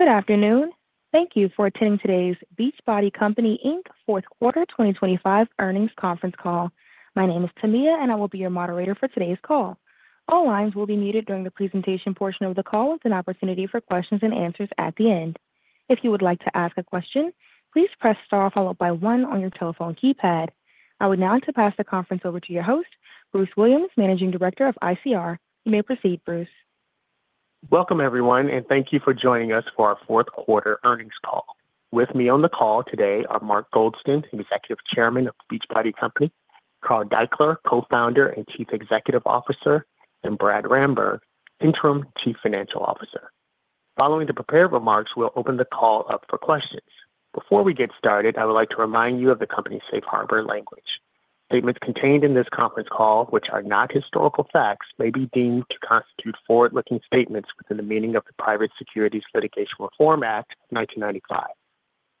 Good afternoon. Thank you for attending today's Beachbody Company, Inc Fourth Quarter 2025 Earnings Conference Call. My name is Tamia, and I will be your moderator for today's call. All lines will be muted during the presentation portion of the call with an opportunity for questions and answers at the end. If you would like to ask a question, please press star followed by one on your telephone keypad. I would now like to pass the conference over to your host, Bruce Williams, Managing Director of ICR. You may proceed, Bruce. Welcome, everyone, and thank you for joining us for our fourth quarter earnings call. With me on the call today are Mark Goldston, Executive Chairman of Beachbody Company, Carl Daikeler, Co-Founder and Chief Executive Officer, and Brad Ramberg, Interim Chief Financial Officer. Following the prepared remarks, we'll open the call up for questions. Before we get started, I would like to remind you of the company's safe harbor language. Statements contained in this conference call, which are not historical facts, may be deemed to constitute forward-looking statements within the meaning of the Private Securities Litigation Reform Act of 1995.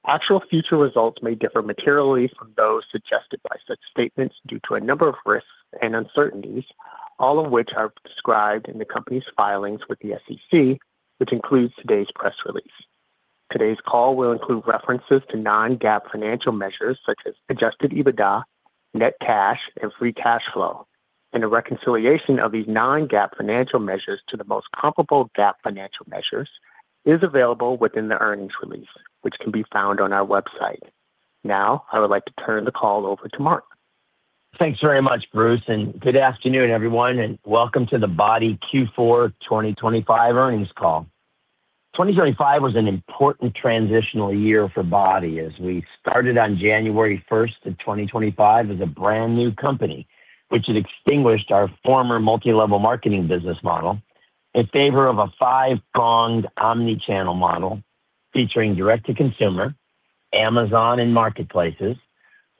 Actual future results may differ materially from those suggested by such statements due to a number of risks and uncertainties, all of which are described in the company's filings with the SEC, which includes today's press release. Today's call will include references to non-GAAP financial measures such as adjusted EBITDA, net cash, and free cash flow. A reconciliation of these non-GAAP financial measures to the most comparable GAAP financial measures is available within the earnings release, which can be found on our website. Now, I would like to turn the call over to Mark. Thanks very much, Bruce, and good afternoon, everyone, and welcome to the BODi Q4 2025 Earnings Call. 2025 was an important transitional year for BODi as we started on January 1st, 2025 as a brand new company which had extinguished our former multi-level marketing business model in favor of a five-pronged omni-channel model featuring direct-to-consumer, Amazon and marketplaces,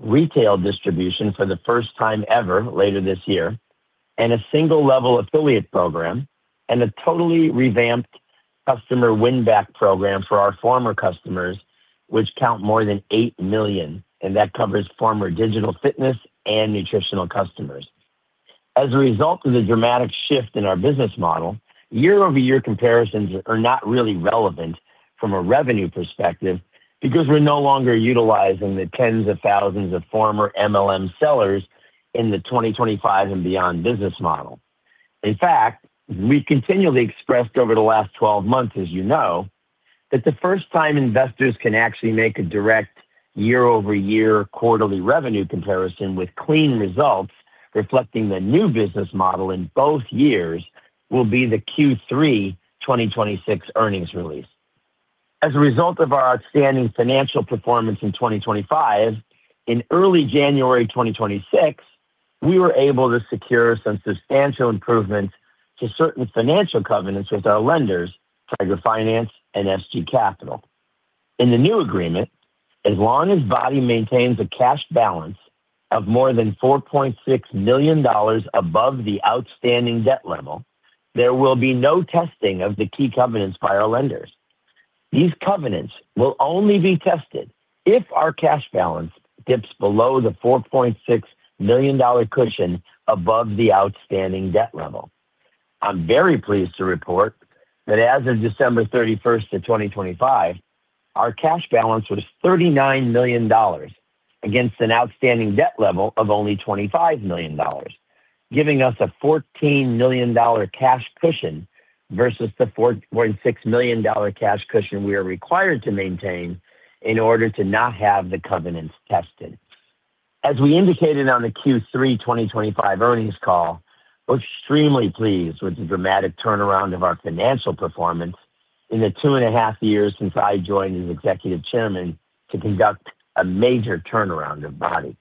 retail distribution for the first time ever later this year, and a single-level affiliate program, and a totally revamped customer win-back program for our former customers, which count more than 8 million, and that covers former digital fitness and nutritional customers. As a result of the dramatic shift in our business model, year-over-year comparisons are not really relevant from a revenue perspective because we're no longer utilizing the tens of thousands of former MLM sellers in the 2025 and beyond business model. In fact, we continually expressed over the last 12 months, as you know, that the first time investors can actually make a direct year-over-year quarterly revenue comparison with clean results reflecting the new business model in both years will be the Q3 2026 earnings release. As a result of our outstanding financial performance in 2025, in early January 2026, we were able to secure some substantial improvements to certain financial covenants with our lenders, Tiger Finance and SG Credit Partners. In the new agreement, as long as BODi maintains a cash balance of more than $4.6 million above the outstanding debt level, there will be no testing of the key covenants by our lenders. These covenants will only be tested if our cash balance dips below the $4.6 million cushion above the outstanding debt level. I'm very pleased to report that as of December 31st, 2025, our cash balance was $39 million against an outstanding debt level of only $25 million, giving us a $14 million cash cushion versus the $4.6 million cash cushion we are required to maintain in order to not have the covenants tested. As we indicated on the Q3 2025 earnings call, extremely pleased with the dramatic turnaround of our financial performance in the two and a half years since I joined as Executive Chairman to conduct a major turnaround of Beachbody.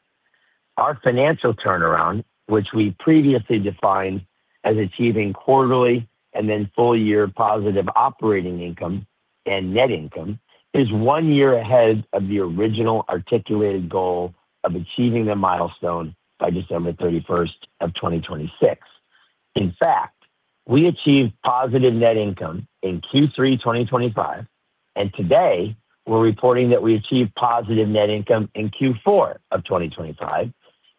Our financial turnaround, which we previously defined as achieving quarterly and then full-year positive operating income and net income, is one year ahead of the original articulated goal of achieving the milestone by December 31st, 2026. In fact, we achieved positive net income in Q3 2025, and today we're reporting that we achieved positive net income in Q4 of 2025,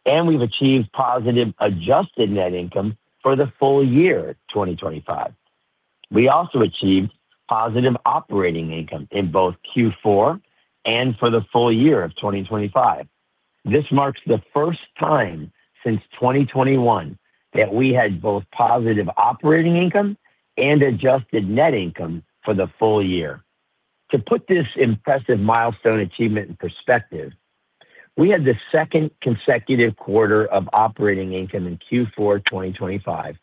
and we've achieved positive adjusted net income for the full year 2025. We also achieved positive operating income in both Q4 and for the full year of 2025. This marks the first time since 2021 that we had both positive operating income and adjusted net income for the full year. To put this impressive milestone achievement in perspective, we had the second consecutive quarter of operating income in Q4 2025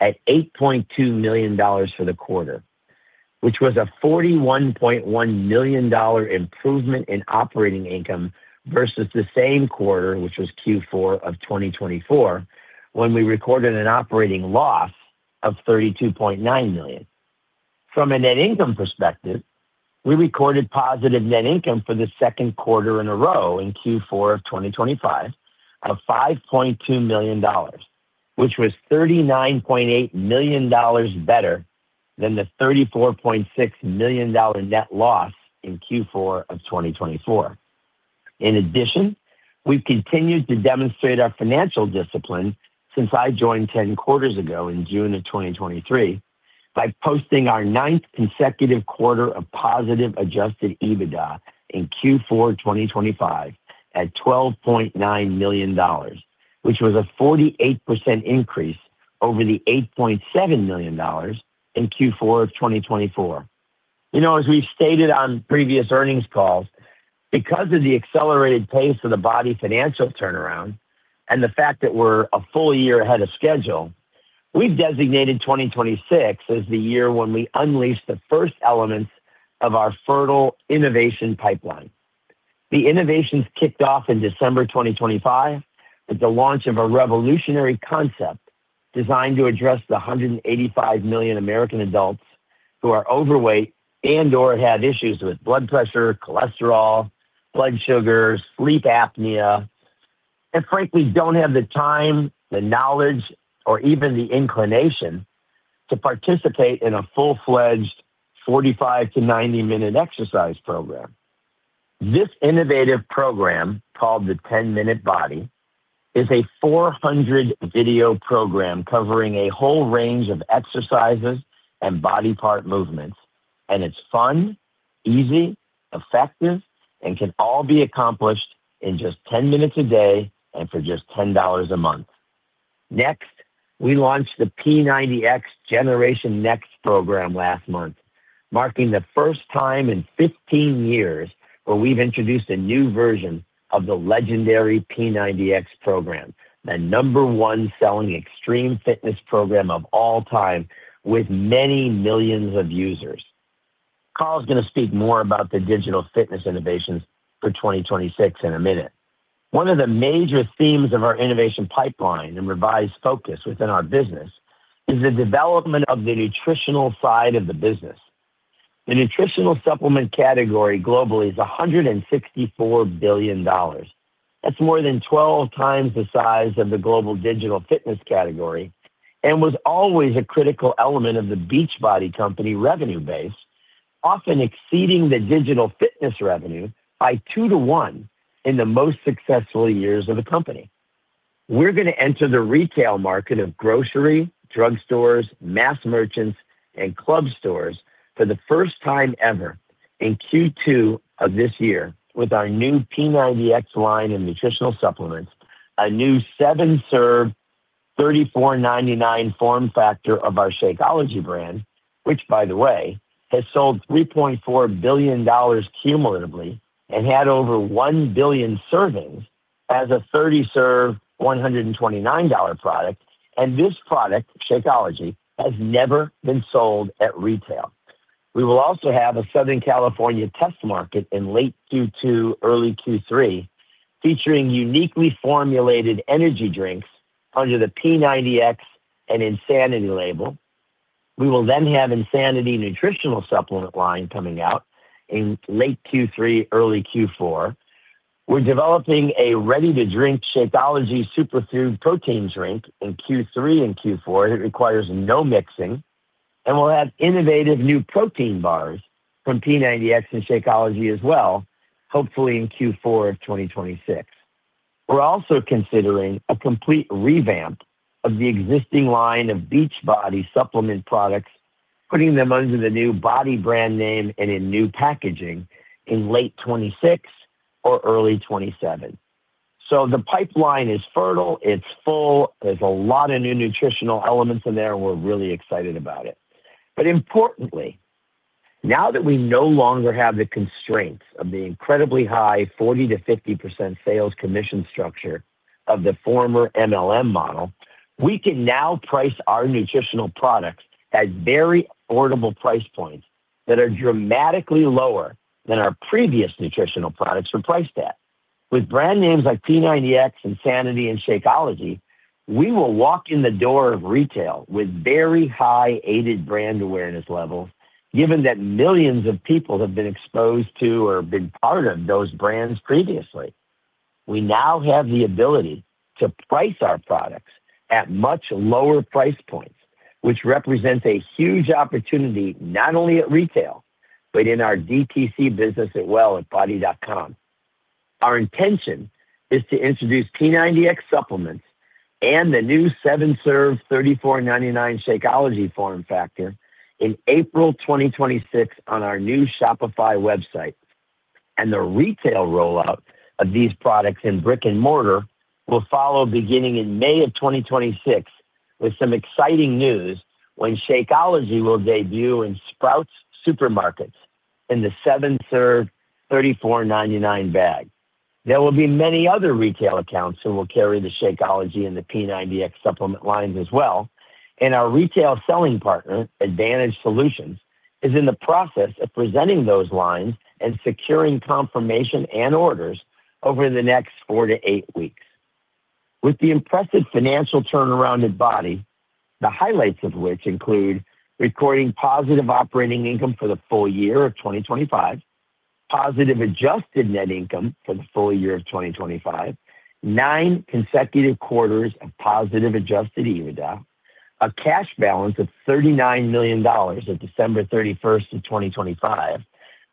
at $8.2 million for the quarter, which was a $41.1 million improvement in operating income versus the same quarter, which was Q4 of 2024, when we recorded an operating loss of $32.9 million. From a net income perspective, we recorded positive net income for the second quarter in a row in Q4 of 2025 of $5.2 million, which was $39.8 million better than the $34.6 million net loss in Q4 of 2024. In addition, we've continued to demonstrate our financial discipline since I joined 10 quarters ago in June of 2023 by posting our ninth consecutive quarter of positive adjusted EBITDA in Q4 2025 at $12.9 million, which was a 48% increase over the $8.7 million in Q4 of 2024. You know, as we've stated on previous earnings calls, because of the accelerated pace of the BODi financial turnaround and the fact that we're a full year ahead of schedule, we've designated 2026 as the year when we unleash the first elements of our fertile innovation pipeline. The innovations kicked off in December 2025 with the launch of a revolutionary concept designed to address the 185 million American adults who are overweight and/or have issues with blood pressure, cholesterol, blood sugar, sleep apnea, and frankly, don't have the time, the knowledge, or even the inclination to participate in a full-fledged 45- to 90-minute exercise program. This innovative program, called the 10 Minute BODi, is a 400 video program covering a whole range of exercises and body part movements, and it's fun, easy, effective, and can all be accomplished in just 10 minutes a day and for just $10 a month. Next, we launched the P90X Generation Next program last month, marking the first time in 15 years where we've introduced a new version of the legendary P90X program, the number one selling extreme fitness program of all time with many millions of users. Carl's gonna speak more about the digital fitness innovations for 2026 in a minute. One of the major themes of our innovation pipeline and revised focus within our business is the development of the nutritional side of the business. The nutritional supplement category globally is $164 billion. That's more than 12 times the size of the global digital fitness category and was always a critical element of Beachbody Company revenue base, often exceeding the digital fitness revenue by two to one in the most successful years of the company. We're gonna enter the retail market of grocery, drugstores, mass merchants, and club stores for the first time ever in Q2 of this year with our new P90X line of nutritional supplements, a new seven-serve, $34.99 form factor of our Shakeology brand, which by the way, has sold $3.4 billion cumulatively and had over 1 billion servings as a 30-serve, $129 product. This product, Shakeology, has never been sold at retail. We will also have a Southern California test market in late Q2, early Q3, featuring uniquely formulated energy drinks under the P90X and Insanity label. We will then have Insanity nutritional supplement line coming out in late Q3, early Q4. We're developing a ready-to-drink Shakeology superfood protein drink in Q3 and Q4. It requires no mixing. We'll have innovative new protein bars from P90X and Shakeology as well, hopefully in Q4 of 2026. We're also considering a complete revamp of the existing line of Beachbody supplement products, putting them under the new BODi brand name and in new packaging in late 2026 or early 2027. The pipeline is fertile, it's full, there's a lot of new nutritional elements in there, and we're really excited about it. Importantly, now that we no longer have the constraints of the incredibly high 40%-50% sales commission structure of the former MLM model, we can now price our nutritional products at very affordable price points that are dramatically lower than our previous nutritional products were priced at. With brand names like P90X, Insanity, and Shakeology, we will walk in the door of retail with very high aided brand awareness levels, given that millions of people have been exposed to or been part of those brands previously. We now have the ability to price our products at much lower price points, which represents a huge opportunity not only at retail, but in our DTC business as well at BODi.com. Our intention is to introduce P90X supplements and the new seven-serve $34.99 Shakeology form factor in April 2026 on our new Shopify website. The retail rollout of these products in brick-and-mortar will follow beginning in May 2026 with some exciting news when Shakeology will debut in Sprouts Farmers Market in the seven-serve $34.99 bag. There will be many other retail accounts who will carry the Shakeology and the P90X supplement lines as well, and our retail selling partner, Advantage Solutions, is in the process of presenting those lines and securing confirmation and orders over the next four to eight weeks. With the impressive financial turnaround at BODi, the highlights of which include recording positive operating income for the full year of 2025, positive adjusted net income for the full year of 2025, nine consecutive quarters of positive adjusted EBITDA, a cash balance of $39 million at December 31st, 2025,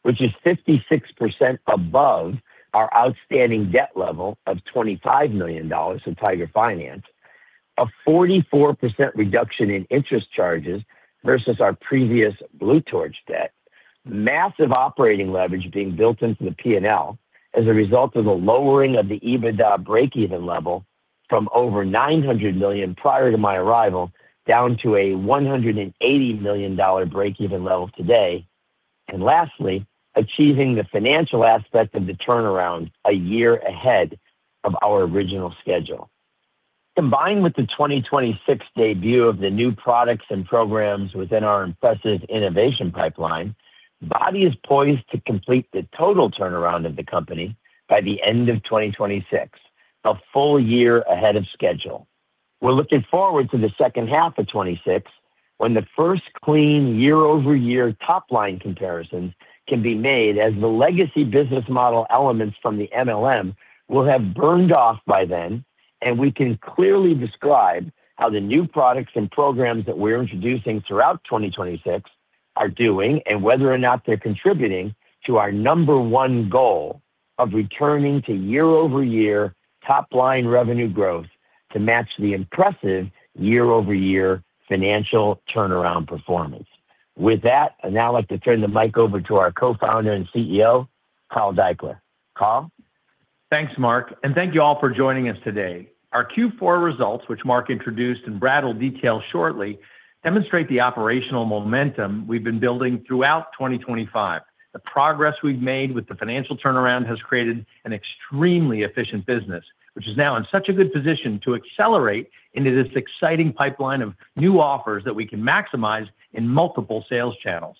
which is 56% above our outstanding debt level of $25 million in Tiger Finance, a 44% reduction in interest charges versus our previous Blue Torch debt. Massive operating leverage being built into the P&L as a result of a lowering of the EBITDA breakeven level from over $900 million prior to my arrival down to a $180 million breakeven level today. Lastly, achieving the financial aspect of the turnaround a year ahead of our original schedule. Combined with the 2026 debut of the new products and programs within our impressive innovation pipeline, BODi is poised to complete the total turnaround of the company by the end of 2026, a full year ahead of schedule. We're looking forward to the second half of 2026 when the first clean year-over-year top line comparisons can be made as the legacy business model elements from the MLM will have burned off by then, and we can clearly describe how the new products and programs that we're introducing throughout 2026 are doing and whether or not they're contributing to our number one goal of returning to year-over-year top line revenue growth to match the impressive year-over-year financial turnaround performance. With that, I'd now like to turn the mic over to our Co-Founder and CEO, Carl Daikeler. Carl. Thanks, Mark, and thank you all for joining us today. Our Q4 results, which Mark introduced and Brad will detail shortly, demonstrate the operational momentum we've been building throughout 2025. The progress we've made with the financial turnaround has created an extremely efficient business, which is now in such a good position to accelerate into this exciting pipeline of new offers that we can maximize in multiple sales channels.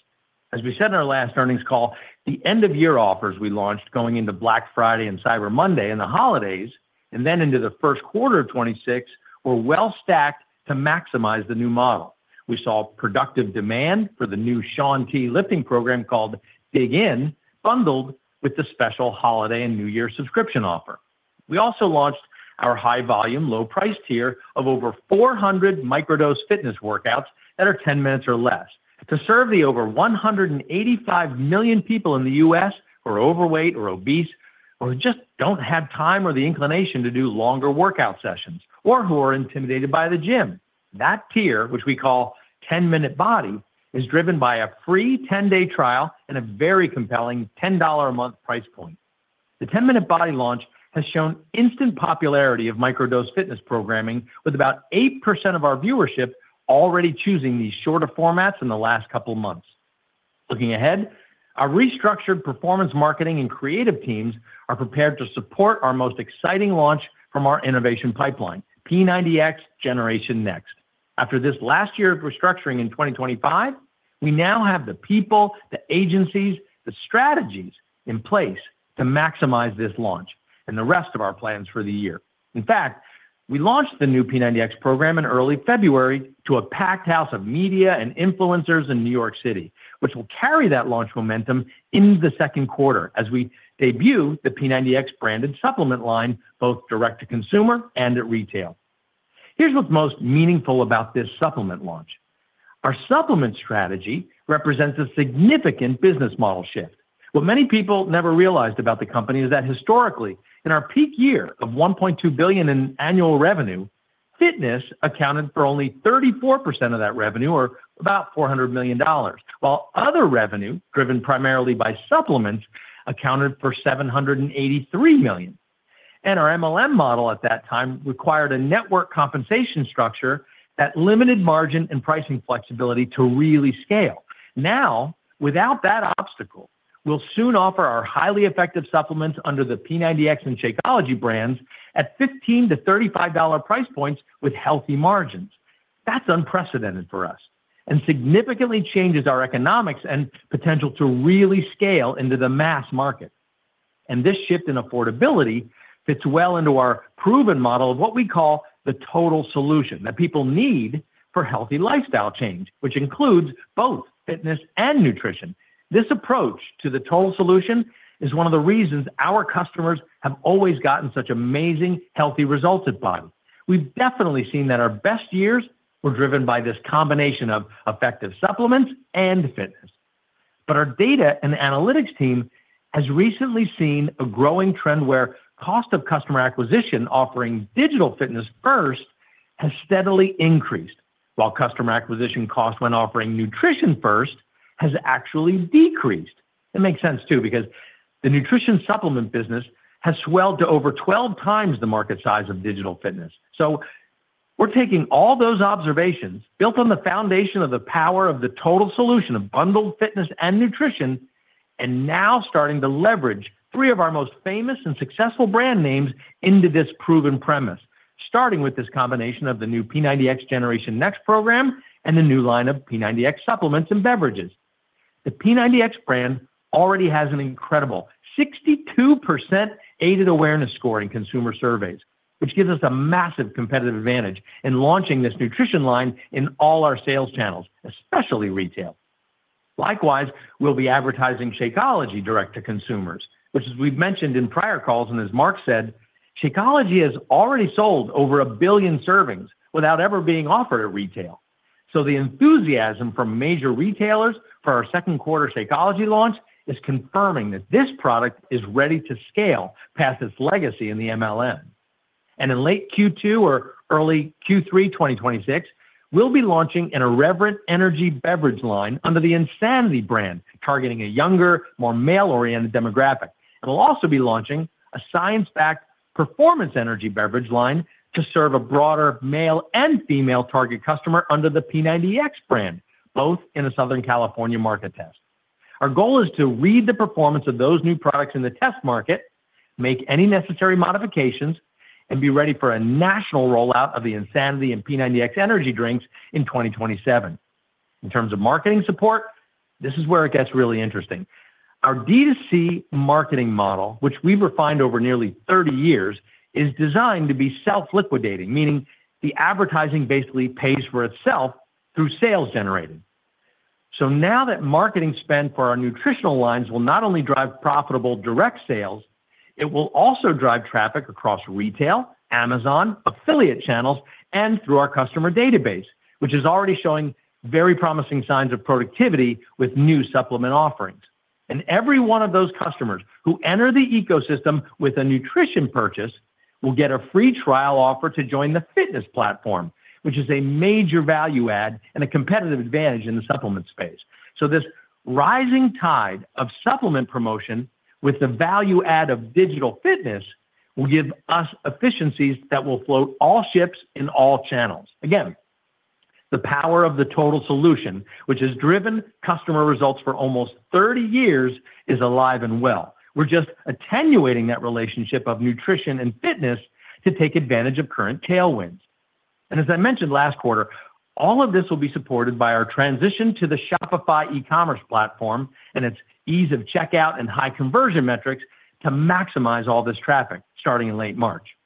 As we said in our last earnings call, the end-of-year offers we launched going into Black Friday and Cyber Monday and the holidays, and then into the first quarter of 2026, were well stacked to maximize the new model. We saw productive demand for the new Shaun T lifting program called DIG IN, bundled with the special holiday and new year subscription offer. We also launched our high volume, low price tier of over 400 microdose fitness workouts that are 10 minutes or less to serve the over 185 million people in the U.S. who are overweight or obese or who just don't have time or the inclination to do longer workout sessions or who are intimidated by the gym. That tier, which we call 10 Minute BODi, is driven by a free 10-day trial and a very compelling $10 a month price point. The 10 Minute BODi launch has shown instant popularity of microdose fitness programming, with about 8% of our viewership already choosing these shorter formats in the last couple of months. Looking ahead, our restructured performance marketing and creative teams are prepared to support our most exciting launch from our innovation pipeline, P90X Generation Next. After this last year of restructuring in 2025, we now have the people, the agencies, the strategies in place to maximize this launch and the rest of our plans for the year. In fact, we launched the new P90X program in early February to a packed house of media and influencers in New York City, which will carry that launch momentum into the second quarter as we debut the P90X branded supplement line, both direct-to-consumer and at retail. Here's what's most meaningful about this supplement launch. Our supplement strategy represents a significant business model shift. What many people never realized about the company is that historically, in our peak year of $1.2 billion in annual revenue, fitness accounted for only 34% of that revenue or about $400 million, while other revenue, driven primarily by supplements, accounted for $783 million. Our MLM model at that time required a network compensation structure that limited margin and pricing flexibility to really scale. Now, without that obstacle, we'll soon offer our highly effective supplements under the P90X and Shakeology brands at $15-$35 price points with healthy margins. That's unprecedented for us and significantly changes our economics and potential to really scale into the mass market. This shift in affordability fits well into our proven model of what we call the Total-Solution Pack that people need for healthy lifestyle change, which includes both fitness and nutrition. This approach to the Total-Solution Pack is one of the reasons our customers have always gotten such amazing healthy results at BODi. We've definitely seen that our best years were driven by this combination of effective supplements and fitness. Our data and analytics team has recently seen a growing trend where cost of customer acquisition offering digital fitness first has steadily increased, while customer acquisition cost when offering nutrition first has actually decreased. It makes sense, too, because the nutrition supplement business has swelled to over 12 times the market size of digital fitness. We're taking all those observations built on the foundation of the power of the Total-Solution Pack of bundled fitness and nutrition, and now starting to leverage three of our most famous and successful brand names into this proven premise, starting with this combination of the new P90X Generation Next program and the new line of P90X supplements and beverages. The P90X brand already has an incredible 62% aided awareness score in consumer surveys, which gives us a massive competitive advantage in launching this nutrition line in all our sales channels, especially retail. Likewise, we'll be advertising Shakeology direct to consumers, which as we've mentioned in prior calls and as Mark said, Shakeology has already sold over 1 billion servings without ever being offered at retail. The enthusiasm from major retailers for our second quarter Shakeology launch is confirming that this product is ready to scale past its legacy in the MLM. In late Q2 or early Q3 2026, we'll be launching an irreverent energy beverage line under the Insanity brand, targeting a younger, more male-oriented demographic. We'll also be launching a science-backed performance energy beverage line to serve a broader male and female target customer under the P90X brand, both in a Southern California market test. Our goal is to read the performance of those new products in the test market, make any necessary modifications, and be ready for a national rollout of the Insanity and P90X energy drinks in 2027. In terms of marketing support, this is where it gets really interesting. Our D2C marketing model, which we've refined over nearly 30 years, is designed to be self-liquidating, meaning the advertising basically pays for itself through sales generated. Now that marketing spend for our nutritional lines will not only drive profitable direct sales, it will also drive traffic across retail, Amazon, affiliate channels, and through our customer database, which is already showing very promising signs of productivity with new supplement offerings. Every one of those customers who enter the ecosystem with a nutrition purchase will get a free trial offer to join the fitness platform, which is a major value add and a competitive advantage in the supplement space. This rising tide of supplement promotion with the value add of digital fitness will give us efficiencies that will float all ships in all channels. Again, the power of the Total-Solution Pack, which has driven customer results for almost 30 years, is alive and well. We're just attenuating that relationship of nutrition and fitness to take advantage of current tailwinds. As I mentioned last quarter, all of this will be supported by our transition to the Shopify e-commerce platform and its ease of checkout and high conversion metrics to maximize all this traffic starting in late March.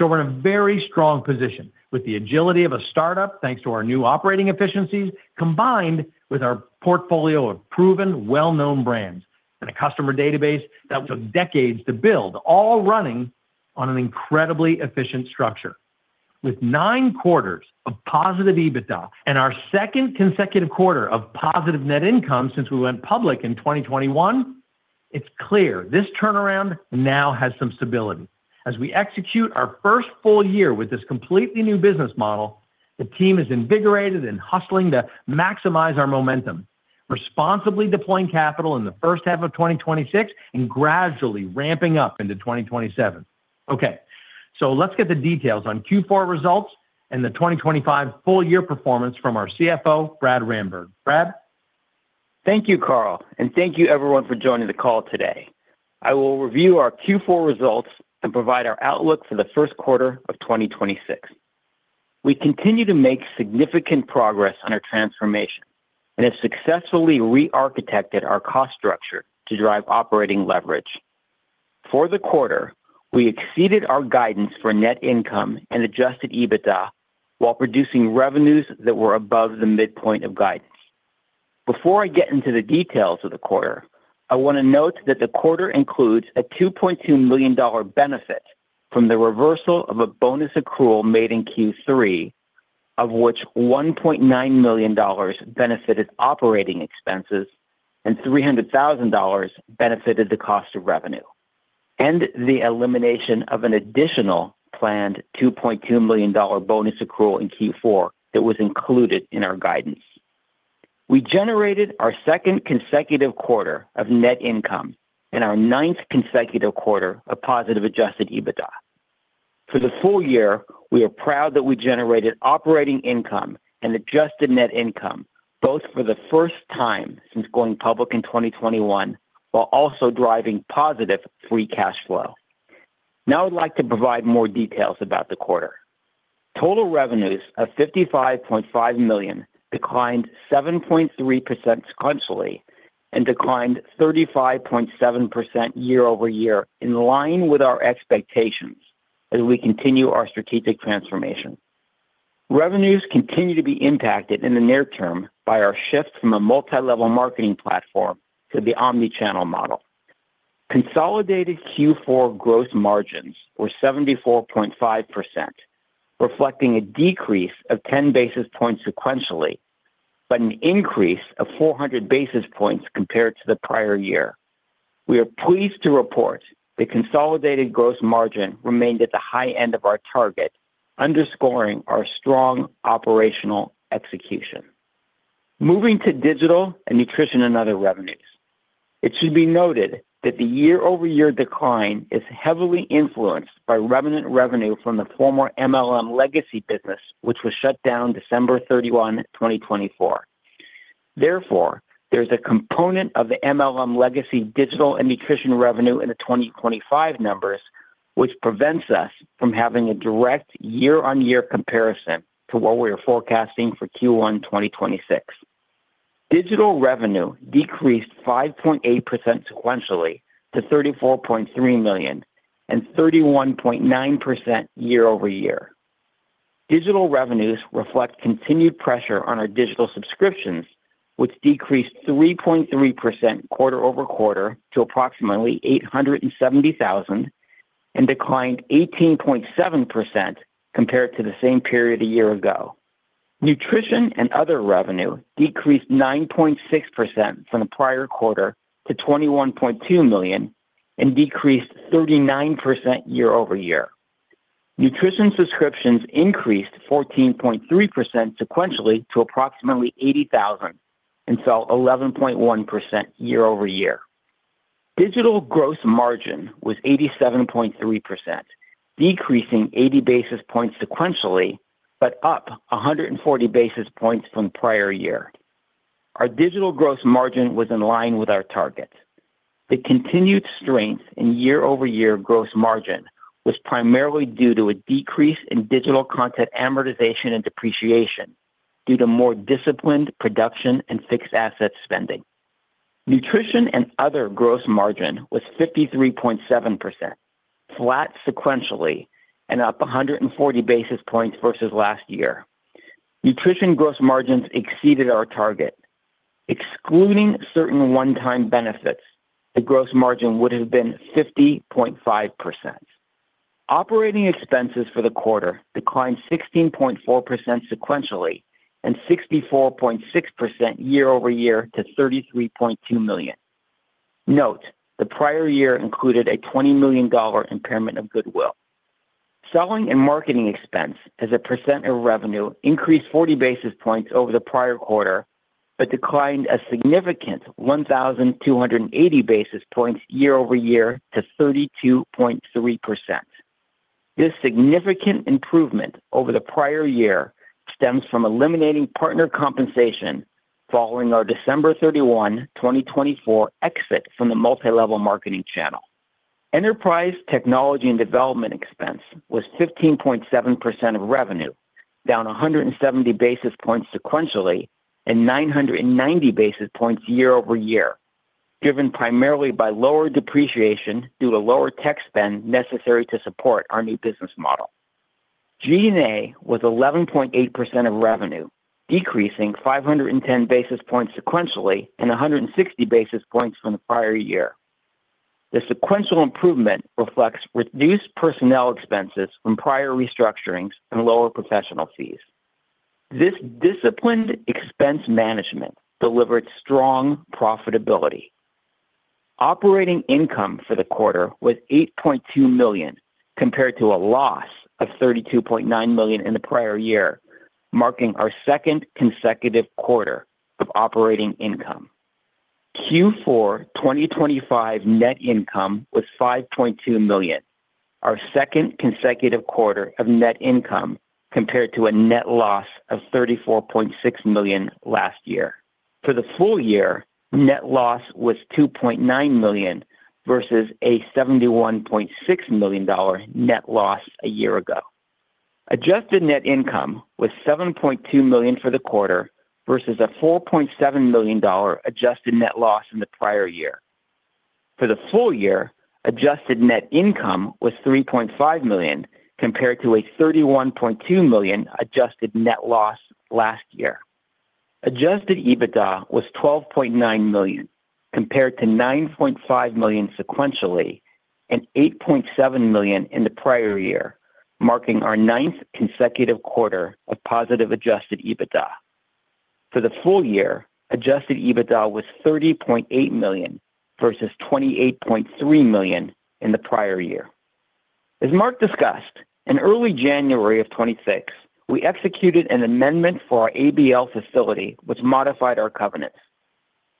We're in a very strong position with the agility of a startup, thanks to our new operating efficiencies, combined with our portfolio of proven, well-known brands and a customer database that took decades to build, all running on an incredibly efficient structure. With nine quarters of positive EBITDA and our second consecutive quarter of positive net income since we went public in 2021, it's clear this turnaround now has some stability. As we execute our first full year with this completely new business model, the team is invigorated and hustling to maximize our momentum, responsibly deploying capital in the first half of 2026 and gradually ramping up into 2027. Okay, so let's get the details on Q4 results and the 2025 full year performance from our CFO, Brad Ramberg. Brad? Thank you, Carl, and thank you everyone for joining the call today. I will review our Q4 results and provide our outlook for the first quarter of 2026. We continue to make significant progress on our transformation and have successfully re-architected our cost structure to drive operating leverage. For the quarter, we exceeded our guidance for net income and adjusted EBITDA while producing revenues that were above the midpoint of guidance. Before I get into the details of the quarter, I want to note that the quarter includes a $2.2 million benefit from the reversal of a bonus accrual made in Q3, of which $1.9 million benefited operating expenses and $300,000 benefited the cost of revenue, and the elimination of an additional planned $2.2 million bonus accrual in Q4 that was included in our guidance. We generated our second consecutive quarter of net income and our ninth consecutive quarter of positive adjusted EBITDA. For the full year, we are proud that we generated operating income and adjusted net income both for the first time since going public in 2021, while also driving positive free cash flow. Now I'd like to provide more details about the quarter. Total revenues of $55.5 million declined 7.3% sequentially and declined 35.7% year-over-year in line with our expectations as we continue our strategic transformation. Revenues continue to be impacted in the near term by our shift from a multi-level marketing platform to the omni-channel model. Consolidated Q4 gross margins were 74.5%, reflecting a decrease of 10 basis points sequentially, but an increase of 400 basis points compared to the prior year. We are pleased to report the consolidated gross margin remained at the high end of our target, underscoring our strong operational execution. Moving to Digital and Nutrition & Other revenues. It should be noted that the year-over-year decline is heavily influenced by remnant revenue from the former MLM legacy business, which was shut down December 31, 2024. Therefore, there's a component of the MLM legacy Digital and Nutrition revenue in the 2025 numbers, which prevents us from having a direct year-on-year comparison to what we are forecasting for Q1 2026. Digital revenue decreased 5.8% sequentially to $34.3 million and 31.9% year-over-year. Digital revenues reflect continued pressure on our Digital Subscriptions, which decreased 3.3% quarter-over-quarter to approximately 870,000 and declined 18.7% compared to the same period a year ago. Nutrition & Other revenue decreased 9.6% from the prior quarter to $21.2 million and decreased 39% year-over-year. Nutrition subscriptions increased 14.3% sequentially to approximately 80,000 and fell 11.1% year-over-year. Digital gross margin was 87.3%, decreasing 80 basis points sequentially, but up 140 basis points from prior year. Our Digital gross margin was in line with our target. The continued strength in year-over-year gross margin was primarily due to a decrease in digital content amortization and depreciation due to more disciplined production and fixed asset spending. Nutrition & Other gross margin was 53.7%, flat sequentially and up 140 basis points versus last year. Nutrition gross margins exceeded our target. Excluding certain one-time benefits, the gross margin would have been 50.5%. Operating expenses for the quarter declined 16.4% sequentially and 64.6% year-over-year to $33.2 million. Note, the prior year included a $20 million impairment of goodwill. Selling and marketing expense as a percent of revenue increased 40 basis points over the prior quarter, but declined a significant 1,280 basis points year-over-year to 32.3%. This significant improvement over the prior year stems from eliminating partner compensation following our December 31, 2024 exit from the multi-level marketing channel. Enterprise technology and development expense was 15.7% of revenue, down 170 basis points sequentially and 990 basis points year-over-year, driven primarily by lower depreciation due to lower tech spend necessary to support our new business model. G&A was 11.8% of revenue, decreasing 510 basis points sequentially and 160 basis points from the prior year. The sequential improvement reflects reduced personnel expenses from prior restructurings and lower professional fees. This disciplined expense management delivered strong profitability. Operating income for the quarter was $8.2 million compared to a loss of $32.9 million in the prior year, marking our second consecutive quarter of operating income. Q4 2025 net income was $5.2 million, our second consecutive quarter of net income compared to a net loss of $34.6 million last year. For the full year, net loss was $2.9 million versus a $71.6 million net loss a year ago. Adjusted net income was $7.2 million for the quarter versus a $4.7 million adjusted net loss in the prior year. For the full year, adjusted net income was $3.5 million compared to a $31.2 million adjusted net loss last year. Adjusted EBITDA was $12.9 million compared to $9.5 million sequentially and $8.7 million in the prior year, marking our ninth consecutive quarter of positive adjusted EBITDA. For the full year, adjusted EBITDA was $30.8 million versus $28.3 million in the prior year. As Mark discussed, in early January of 2026, we executed an amendment for our ABL facility which modified our covenants.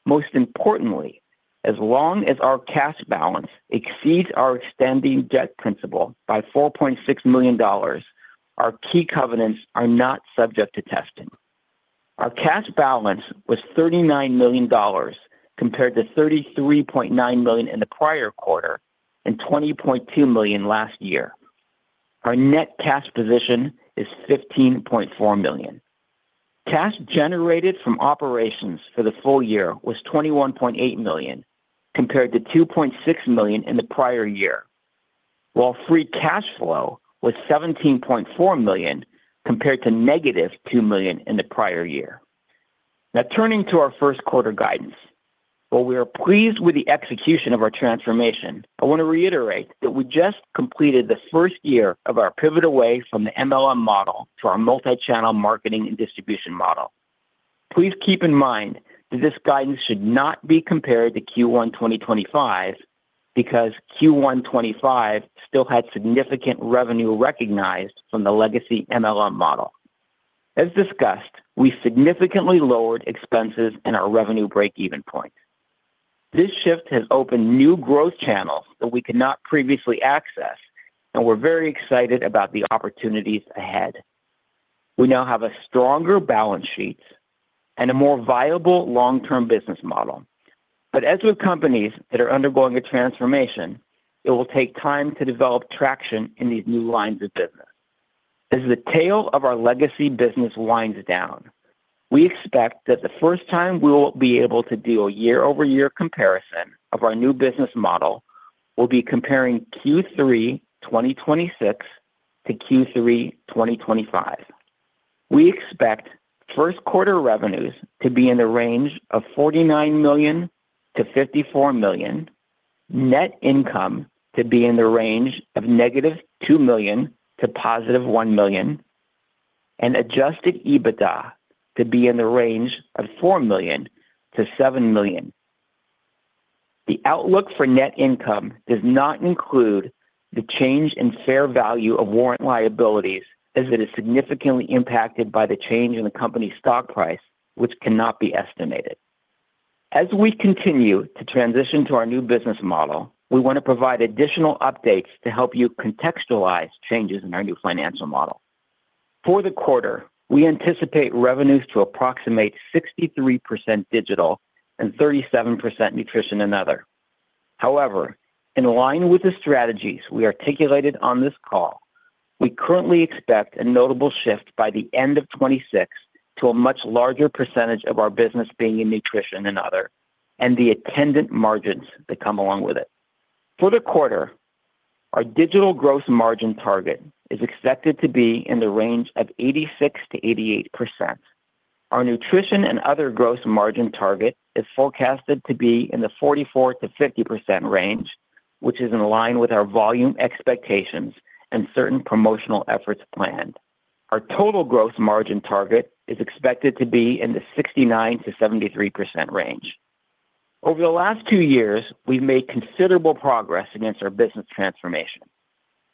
Most importantly, as long as our cash balance exceeds our extending debt principal by $4.6 million, our key covenants are not subject to testing. Our cash balance was $39 million compared to $33.9 million in the prior quarter and $20.2 million last year. Our net cash position is $15.4 million. Cash generated from operations for the full year was $21.8 million compared to $2.6 million in the prior year, while free cash flow was $17.4 million compared to -$2 million in the prior year. Now turning to our first quarter guidance. While we are pleased with the execution of our transformation, I want to reiterate that we just completed the first year of our pivot away from the MLM model to our multi-channel marketing and distribution model. Please keep in mind that this guidance should not be compared to Q1 2025 because Q1 2025 still had significant revenue recognized from the legacy MLM model. As discussed, we significantly lowered expenses in our revenue break-even point. This shift has opened new growth channels that we could not previously access, and we're very excited about the opportunities ahead. We now have a stronger balance sheet and a more viable long-term business model. As with companies that are undergoing a transformation, it will take time to develop traction in these new lines of business. As the tail of our legacy business winds down. We expect that the first time we'll be able to do a year-over-year comparison of our new business model will be comparing Q3 2026 to Q3 2025. We expect first quarter revenues to be in the range of $49 million-$54 million, net income to be in the range of -$2 million to $1 million, and adjusted EBITDA to be in the range of $4 million-$7 million. The outlook for net income does not include the change in fair value of warrant liabilities as it is significantly impacted by the change in the company's stock price, which cannot be estimated. We continue to transition to our new business model. We want to provide additional updates to help you contextualize changes in our new financial model. For the quarter, we anticipate revenues to approximate 63% Digital and 37% Nutrition & Other. However, in line with the strategies we articulated on this call, we currently expect a notable shift by the end of 2026 to a much larger percentage of our business being in Nutrition & Other, and the attendant margins that come along with it. For the quarter, our Digital gross margin target is expected to be in the range of 86%-88%. Our Nutrition & Other gross margin target is forecasted to be in the 44%-50% range, which is in line with our volume expectations and certain promotional efforts planned. Our total gross margin target is expected to be in the 69%-73% range. Over the last two years, we've made considerable progress against our business transformation.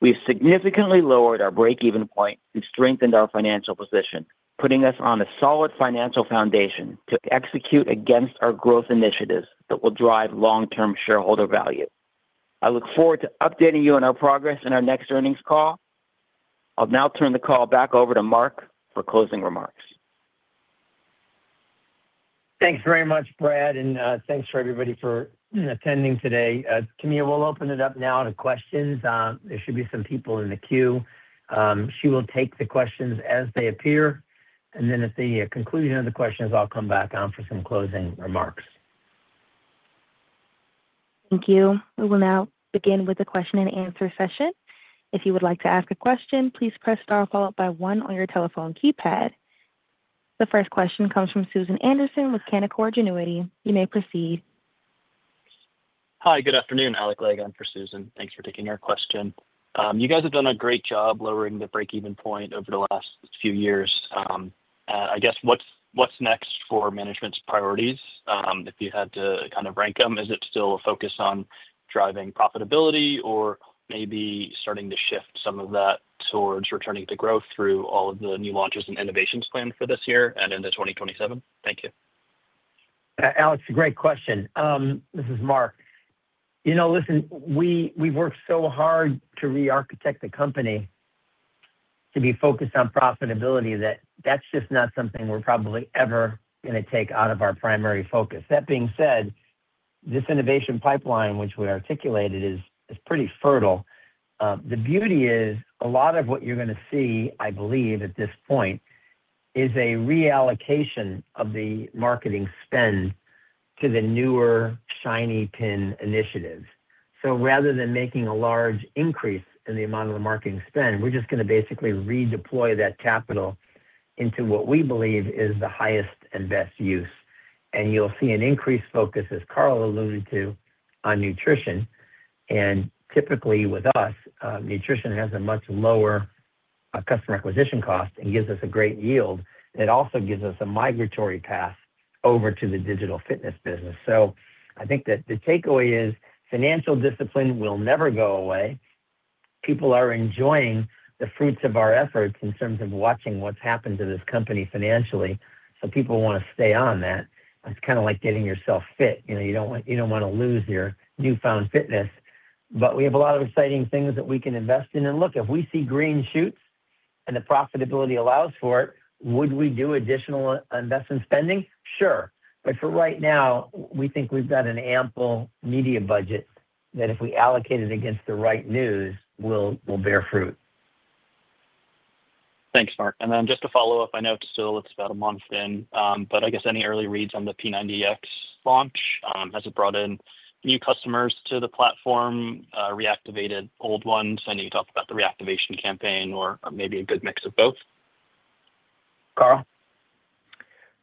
We've significantly lowered our break-even point and strengthened our financial position, putting us on a solid financial foundation to execute against our growth initiatives that will drive long-term shareholder value. I look forward to updating you on our progress in our next earnings call. I'll now turn the call back over to Mark for closing remarks. Thanks very much, Brad, and thanks for everybody for attending today. Tamia will open it up now to questions. There should be some people in the queue. She will take the questions as they appear, and then at the conclusion of the questions, I'll come back on for some closing remarks. Thank you. We will now begin with the question and answer session. If you would like to ask a question, please press star followed by one on your telephone keypad. The first question comes from Susan Anderson with Canaccord Genuity. You may proceed. Hi, good afternoon. Alec Legg on for Susan. Thanks for taking our question. You guys have done a great job lowering the break-even point over the last few years. I guess what's next for management's priorities, if you had to kind of rank them? Is it still a focus on driving profitability or maybe starting to shift some of that towards returning to growth through all of the new launches and innovations planned for this year and into 2027? Thank you. Alec, great question. This is Mark. You know, listen, we've worked so hard to rearchitect the company to be focused on profitability that's just not something we're probably ever gonna take out of our primary focus. That being said, this innovation pipeline, which we articulated is pretty fertile. The beauty is a lot of what you're gonna see, I believe, at this point is a reallocation of the marketing spend to the newer shiny new initiatives. Rather than making a large increase in the amount of the marketing spend, we're just gonna basically redeploy that capital into what we believe is the highest and best use. You'll see an increased focus, as Carl alluded to, on nutrition. Typically with us, nutrition has a much lower customer acquisition cost and gives us a great yield. It also gives us a migration path over to the digital fitness business. I think that the takeaway is financial discipline will never go away. People are enjoying the fruits of our efforts in terms of watching what's happened to this company financially, so people wanna stay on that. It's kind of like getting yourself fit. You know, you don't want, you don't wanna lose your newfound fitness. We have a lot of exciting things that we can invest in. Look, if we see green shoots and the profitability allows for it, would we do additional investment spending? Sure. For right now, we think we've got an ample media budget that if we allocate it against the right news will bear fruit. Thanks, Mark. Just to follow up, I know it's still, it's about a month in, but I guess any early reads on the P90X launch, has it brought in new customers to the platform, reactivated old ones? I know you talked about the reactivation campaign or maybe a good mix of both. Carl?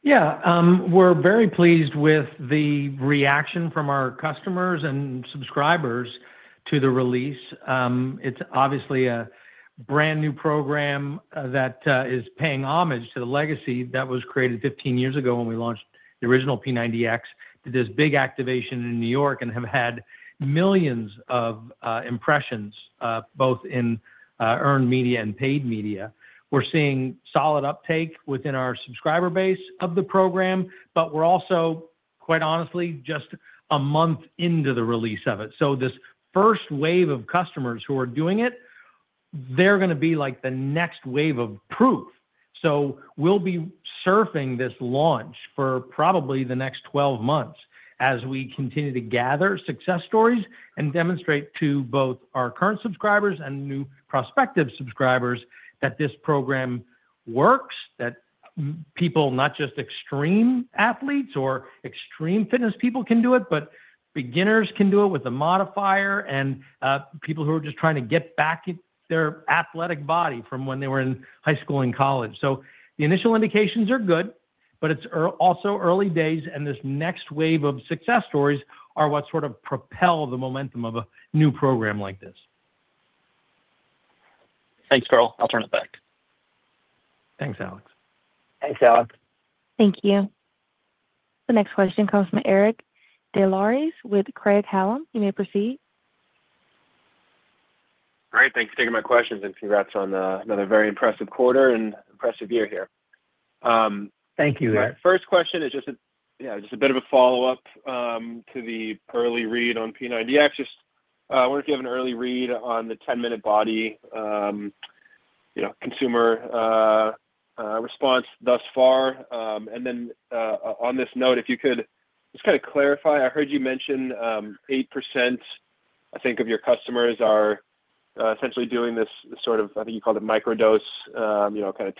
Yeah. We're very pleased with the reaction from our customers and subscribers to the release. It's obviously a brand-new program that is paying homage to the legacy that was created 15 years ago when we launched the original P90X. We did this big activation in New York and we've had millions of impressions both in earned media and paid media. We're seeing solid uptake within our subscriber base of the program, but we're also, quite honestly, just a month into the release of it. This first wave of customers who are doing it, they're gonna be like the next wave of proof. We'll be surfing this launch for probably the next 12 months. As we continue to gather success stories and demonstrate to both our current subscribers and new prospective subscribers that this program works, that people, not just extreme athletes or extreme fitness people can do it, but beginners can do it with a modifier and, people who are just trying to get back their athletic body from when they were in high school and college. The initial indications are good, but it's also early days, and this next wave of success stories are what sort of propel the momentum of a new program like this. Thanks, Carl. I'll turn it back. Thanks, Alec. Thanks, Alec. Thank you. The next question comes from Eric Des Lauriers with Craig-Hallum. You may proceed. All right. Thanks for taking my questions, and congrats on another very impressive quarter and impressive year here. Thank you, Eric. My first question is just a, you know, just a bit of a follow-up to the early read on P90X. Just, I wonder if you have an early read on the 10 Minute BODi, you know, consumer response thus far. On this note, if you could just kinda clarify. I heard you mention 8%, I think, of your customers are essentially doing this sort of, I think you call it microdose, you know, kinda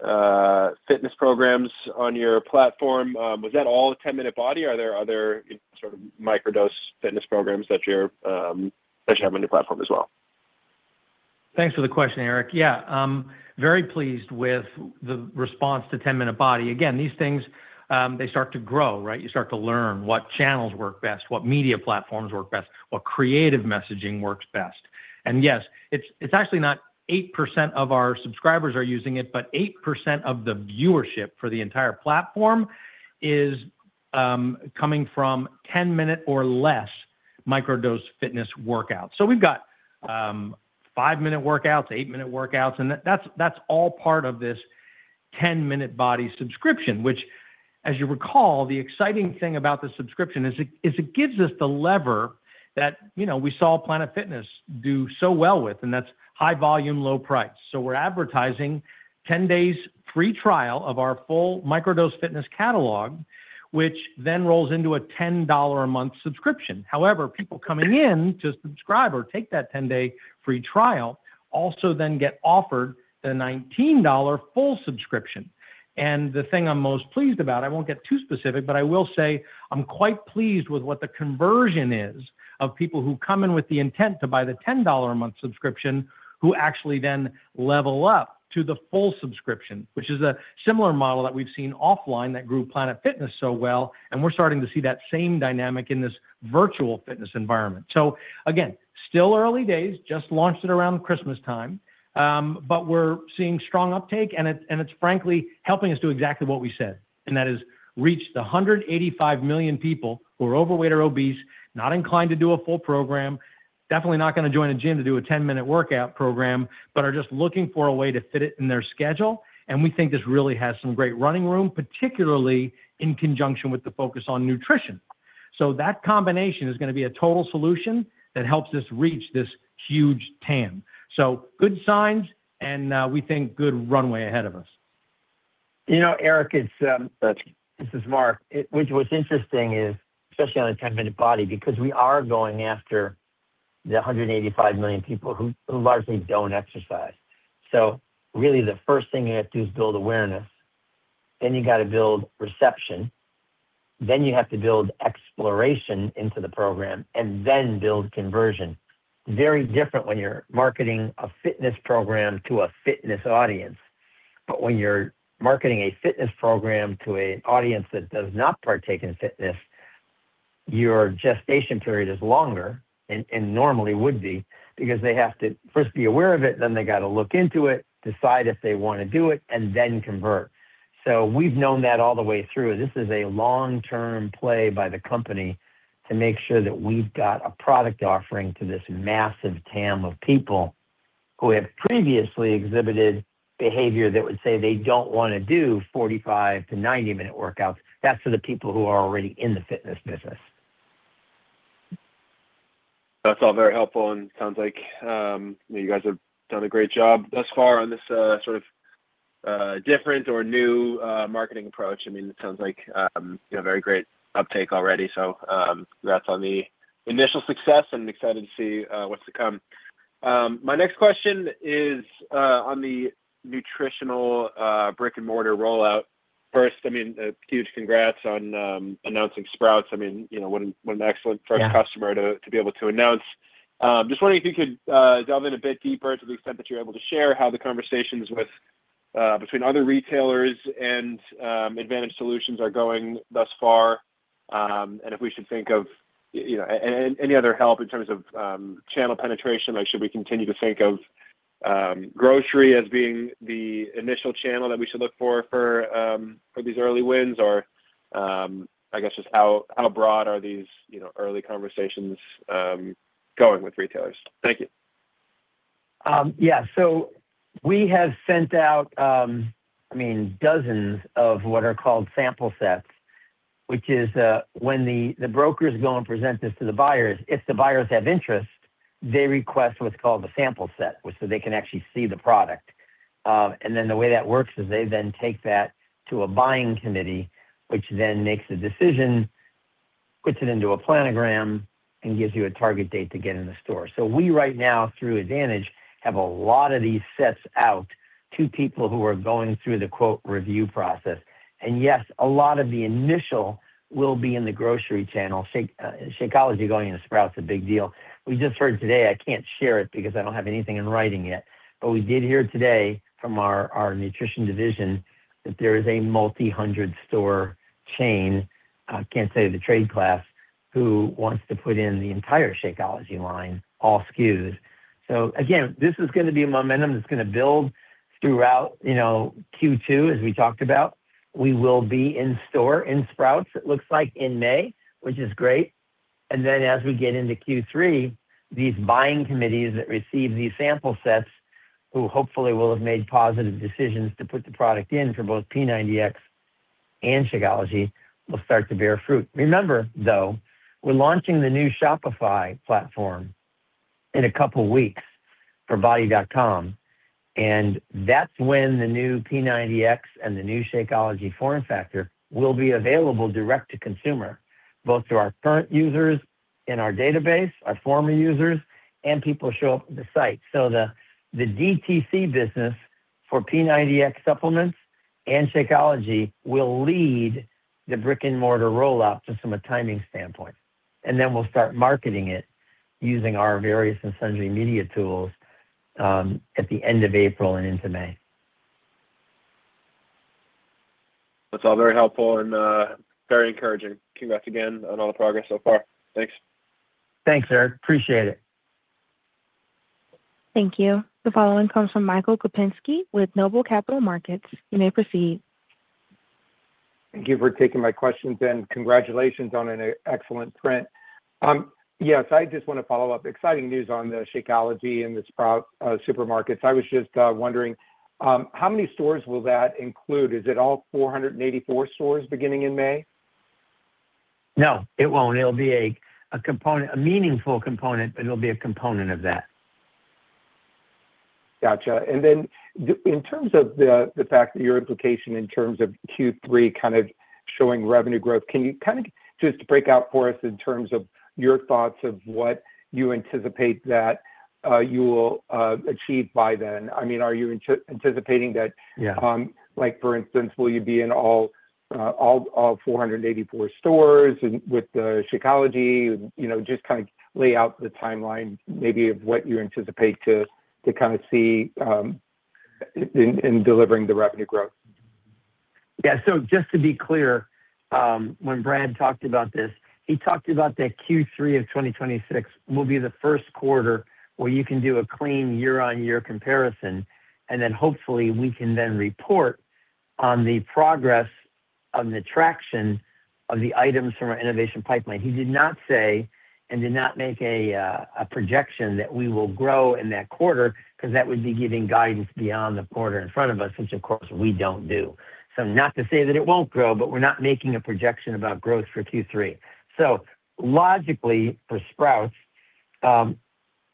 ten-minute fitness programs on your platform. Was that all 10 Minute BODi, or are there other sort of microdose fitness programs that you have on your platform as well? Thanks for the question, Eric. Yeah. Very pleased with the response to 10 Minute BODi. Again, these things, they start to grow, right? You start to learn what channels work best, what media platforms work best, what creative messaging works best. Yes, it's actually not 8% of our subscribers are using it, but 8% of the viewership for the entire platform is coming from ten-minute or less microdose fitness workouts. So we've got five-minute workouts, eight-minute workouts, and that's all part of this 10 Minute BODi subscription, which as you recall, the exciting thing about the subscription is it gives us the lever that, you know, we saw Planet Fitness do so well with, and that's high volume, low price. We're advertising 10 days free trial of our full micro dose fitness catalog, which then rolls into a $10 a month subscription. However, people coming in to subscribe or take that 10-day free trial also then get offered the $19 full subscription. The thing I'm most pleased about, I won't get too specific, but I will say I'm quite pleased with what the conversion is of people who come in with the intent to buy the $10 a month subscription who actually then level up to the full subscription, which is a similar model that we've seen offline that grew Planet Fitness so well, and we're starting to see that same dynamic in this virtual fitness environment. Again, still early days, just launched it around Christmas time, but we're seeing strong uptake, and it's frankly helping us do exactly what we said. That is reach the 185 million people who are overweight or obese, not inclined to do a full program, definitely not gonna join a gym to do a 10-minute workout program, but are just looking for a way to fit it in their schedule. We think this really has some great running room, particularly in conjunction with the focus on nutrition. That combination is gonna be a Total-Solution Pack that helps us reach this huge TAM. Good signs, and we think good runway ahead of us. You know, Eric, it's Thanks. This is Mark. What's interesting is, especially on the 10 Minute BODi, because we are going after the 185 million people who largely don't exercise. Really the first thing you have to do is build awareness, then you gotta build reception, then you have to build exploration into the program, and then build conversion. Very different when you're marketing a fitness program to a fitness audience. When you're marketing a fitness program to an audience that does not partake in fitness, your gestation period is longer and normally would be, because they have to first be aware of it, then they gotta look into it, decide if they wanna do it, and then convert. We've known that all the way through. This is a long-term play by the company to make sure that we've got a product offering to this massive TAM of people who have previously exhibited behavior that would say they don't wanna do 45-90-minute workouts. That's for the people who are already in the fitness business. That's all very helpful and sounds like you guys have done a great job thus far on this sort of different or new marketing approach. I mean, it sounds like you have very great uptake already. Congrats on the initial success and excited to see what's to come. My next question is on the nutritional brick-and-mortar rollout. First, I mean, a huge congrats on announcing Sprouts. I mean, you know, what an excellent first customer. Yeah Just wondering if you could delve in a bit deeper to the extent that you're able to share how the conversations between other retailers and Advantage Solutions are going thus far, and if we should think of, you know, any other help in terms of channel penetration, like should we continue to think of grocery as being the initial channel that we should look for for these early wins? Or I guess just how broad are these, you know, early conversations going with retailers? Thank you. Yeah. We have sent out, I mean, dozens of what are called sample sets, which is when the brokers go and present this to the buyers, if the buyers have interest. They request what's called the sample set, so they can actually see the product. Then the way that works is they then take that to a buying committee, which then makes a decision, puts it into a planogram, and gives you a target date to get in the store. We right now, through Advantage Solutions, have a lot of these sets out to people who are going through the quote review process. Yes, a lot of the initial will be in the grocery channel. Shakeology going into Sprouts Farmers Market, a big deal. We just heard today, I can't share it because I don't have anything in writing yet, but we did hear today from our nutrition division that there is a multi-hundred store chain, I can't say the trade class, who wants to put in the entire Shakeology line, all SKUs. Again, this is gonna be a momentum that's gonna build throughout, you know, Q2, as we talked about. We will be in store in Sprouts, it looks like in May, which is great. As we get into Q3, these buying committees that receive these sample sets who hopefully will have made positive decisions to put the product in for both P90X and Shakeology will start to bear fruit. Remember, though, we're launching the new Shopify platform in a couple weeks for BODi.com, and that's when the new P90X and the new Shakeology form factor will be available direct to consumer, both to our current users in our database, our former users, and people show up at the site. The DTC business for P90X supplements and Shakeology will lead the brick-and-mortar rollout just from a timing standpoint. Then we'll start marketing it using our various influencer media tools at the end of April and into May. That's all very helpful and, very encouraging. Congrats again on all the progress so far. Thanks. Thanks, Eric. Appreciate it. Thank you. The following comes from Michael Kupinski with Noble Capital Markets. You may proceed. Thank you for taking my questions, and congratulations on an excellent print. Yes, I just wanna follow up. Exciting news on the Shakeology and the Sprouts supermarkets. I was just wondering how many stores will that include? Is it all 484 stores beginning in May? No, it won't. It'll be a component, a meaningful component, but it'll be a component of that. Gotcha. In terms of the fact that your implication in terms of Q3 kind of showing revenue growth, can you kind of just break out for us in terms of your thoughts of what you anticipate that you will achieve by then? I mean, are you anticipating that- Yeah Like for instance, will you be in all 484 stores with the Shakeology? You know, just kind of lay out the timeline maybe of what you anticipate to kind of see in delivering the revenue growth. Yeah. Just to be clear, when Brad talked about this, he talked about that Q3 of 2026 will be the first quarter where you can do a clean year-on-year comparison, and then hopefully we can then report on the progress of the traction of the items from our innovation pipeline. He did not say and did not make a projection that we will grow in that quarter because that would be giving guidance beyond the quarter in front of us, which of course we don't do. Not to say that it won't grow, but we're not making a projection about growth for Q3. Logically for Sprouts,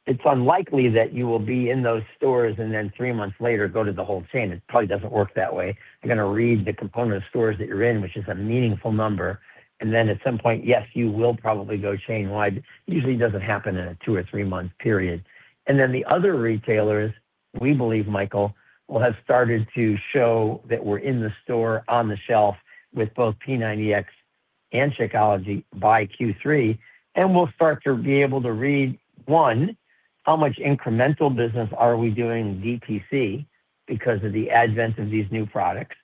it's unlikely that you will be in those stores and then three months later go to the whole chain. It probably doesn't work that way. You're gonna read the component of stores that you're in, which is a meaningful number, and then at some point, yes, you will probably go chain wide. It usually doesn't happen in a two- or three-month period. Then the other retailers, we believe, Michael, will have started to show that we're in the store on the shelf with both P90X and Shakeology by Q3, and we'll start to be able to read, one, how much incremental business are we doing DTC because of the advent of these new products.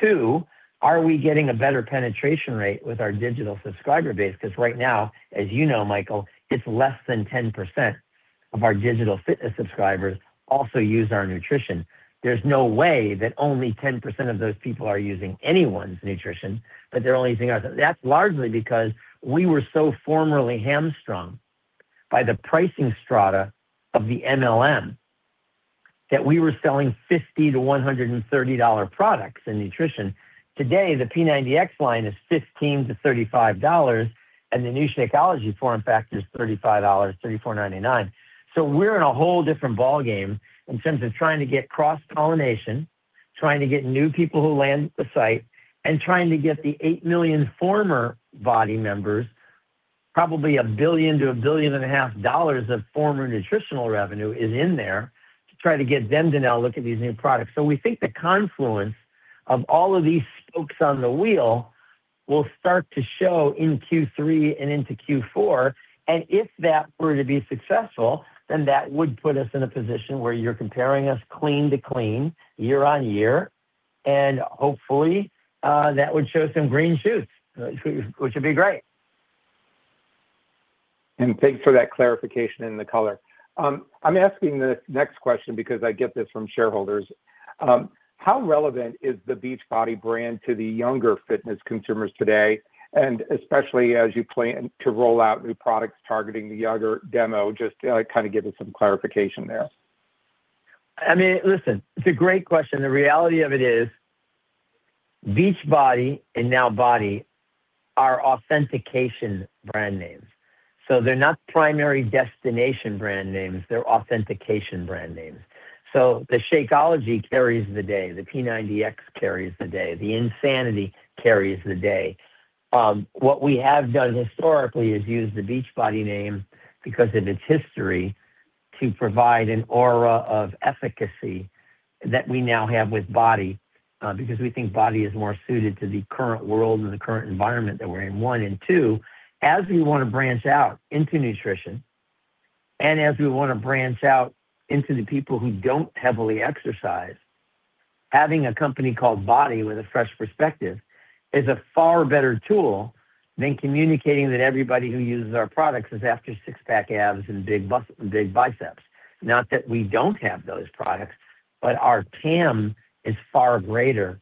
Two, are we getting a better penetration rate with our digital subscriber base? 'Cause right now, as you know, Michael, it's less than 10% of our digital fitness subscribers also use our nutrition. There's no way that only 10% of those people are using anyone's nutrition, but they're only using ours. That's largely because we were so formerly hamstrung by the pricing strata of the MLM that we were selling $50-$130 products in nutrition. Today, the P90X line is $15-$35, and the new Shakeology form factor is $35, $34.99. We're in a whole different ballgame in terms of trying to get cross-pollination, trying to get new people who land at the site, and trying to get the 8 million former BODi members, probably $1 billion-$1.5 billion of former nutritional revenue is in there to try to get them to now look at these new products. We think the confluence of all of these spokes on the wheel will start to show in Q3 and into Q4, and if that were to be successful, then that would put us in a position where you're comparing us clean to clean year-on-year, and hopefully, that would show some green shoots, which would be great. Thanks for that clarification and the color. I'm asking this next question because I get this from shareholders. How relevant is the Beachbody brand to the younger fitness consumers today, and especially as you plan to roll out new products targeting the younger demo, just kind of give us some clarification there? I mean, listen, it's a great question. The reality of it is Beachbody and now BODi are authenticity brand names. So they're not primary destination brand names, they're authenticity brand names. So the Shakeology carries the day, the P90X carries the day, the Insanity carries the day. What we have done historically is use the Beachbody name because of its history to provide an aura of efficacy that we now have with BODi, because we think BODi is more suited to the current world and the current environment that we're in, one. Two, as we wanna branch out into nutrition and as we wanna branch out into the people who don't heavily exercise, having a company called BODi with a fresh perspective is a far better tool than communicating that everybody who uses our products is after six-pack abs and big biceps. Not that we don't have those products, but our TAM is far greater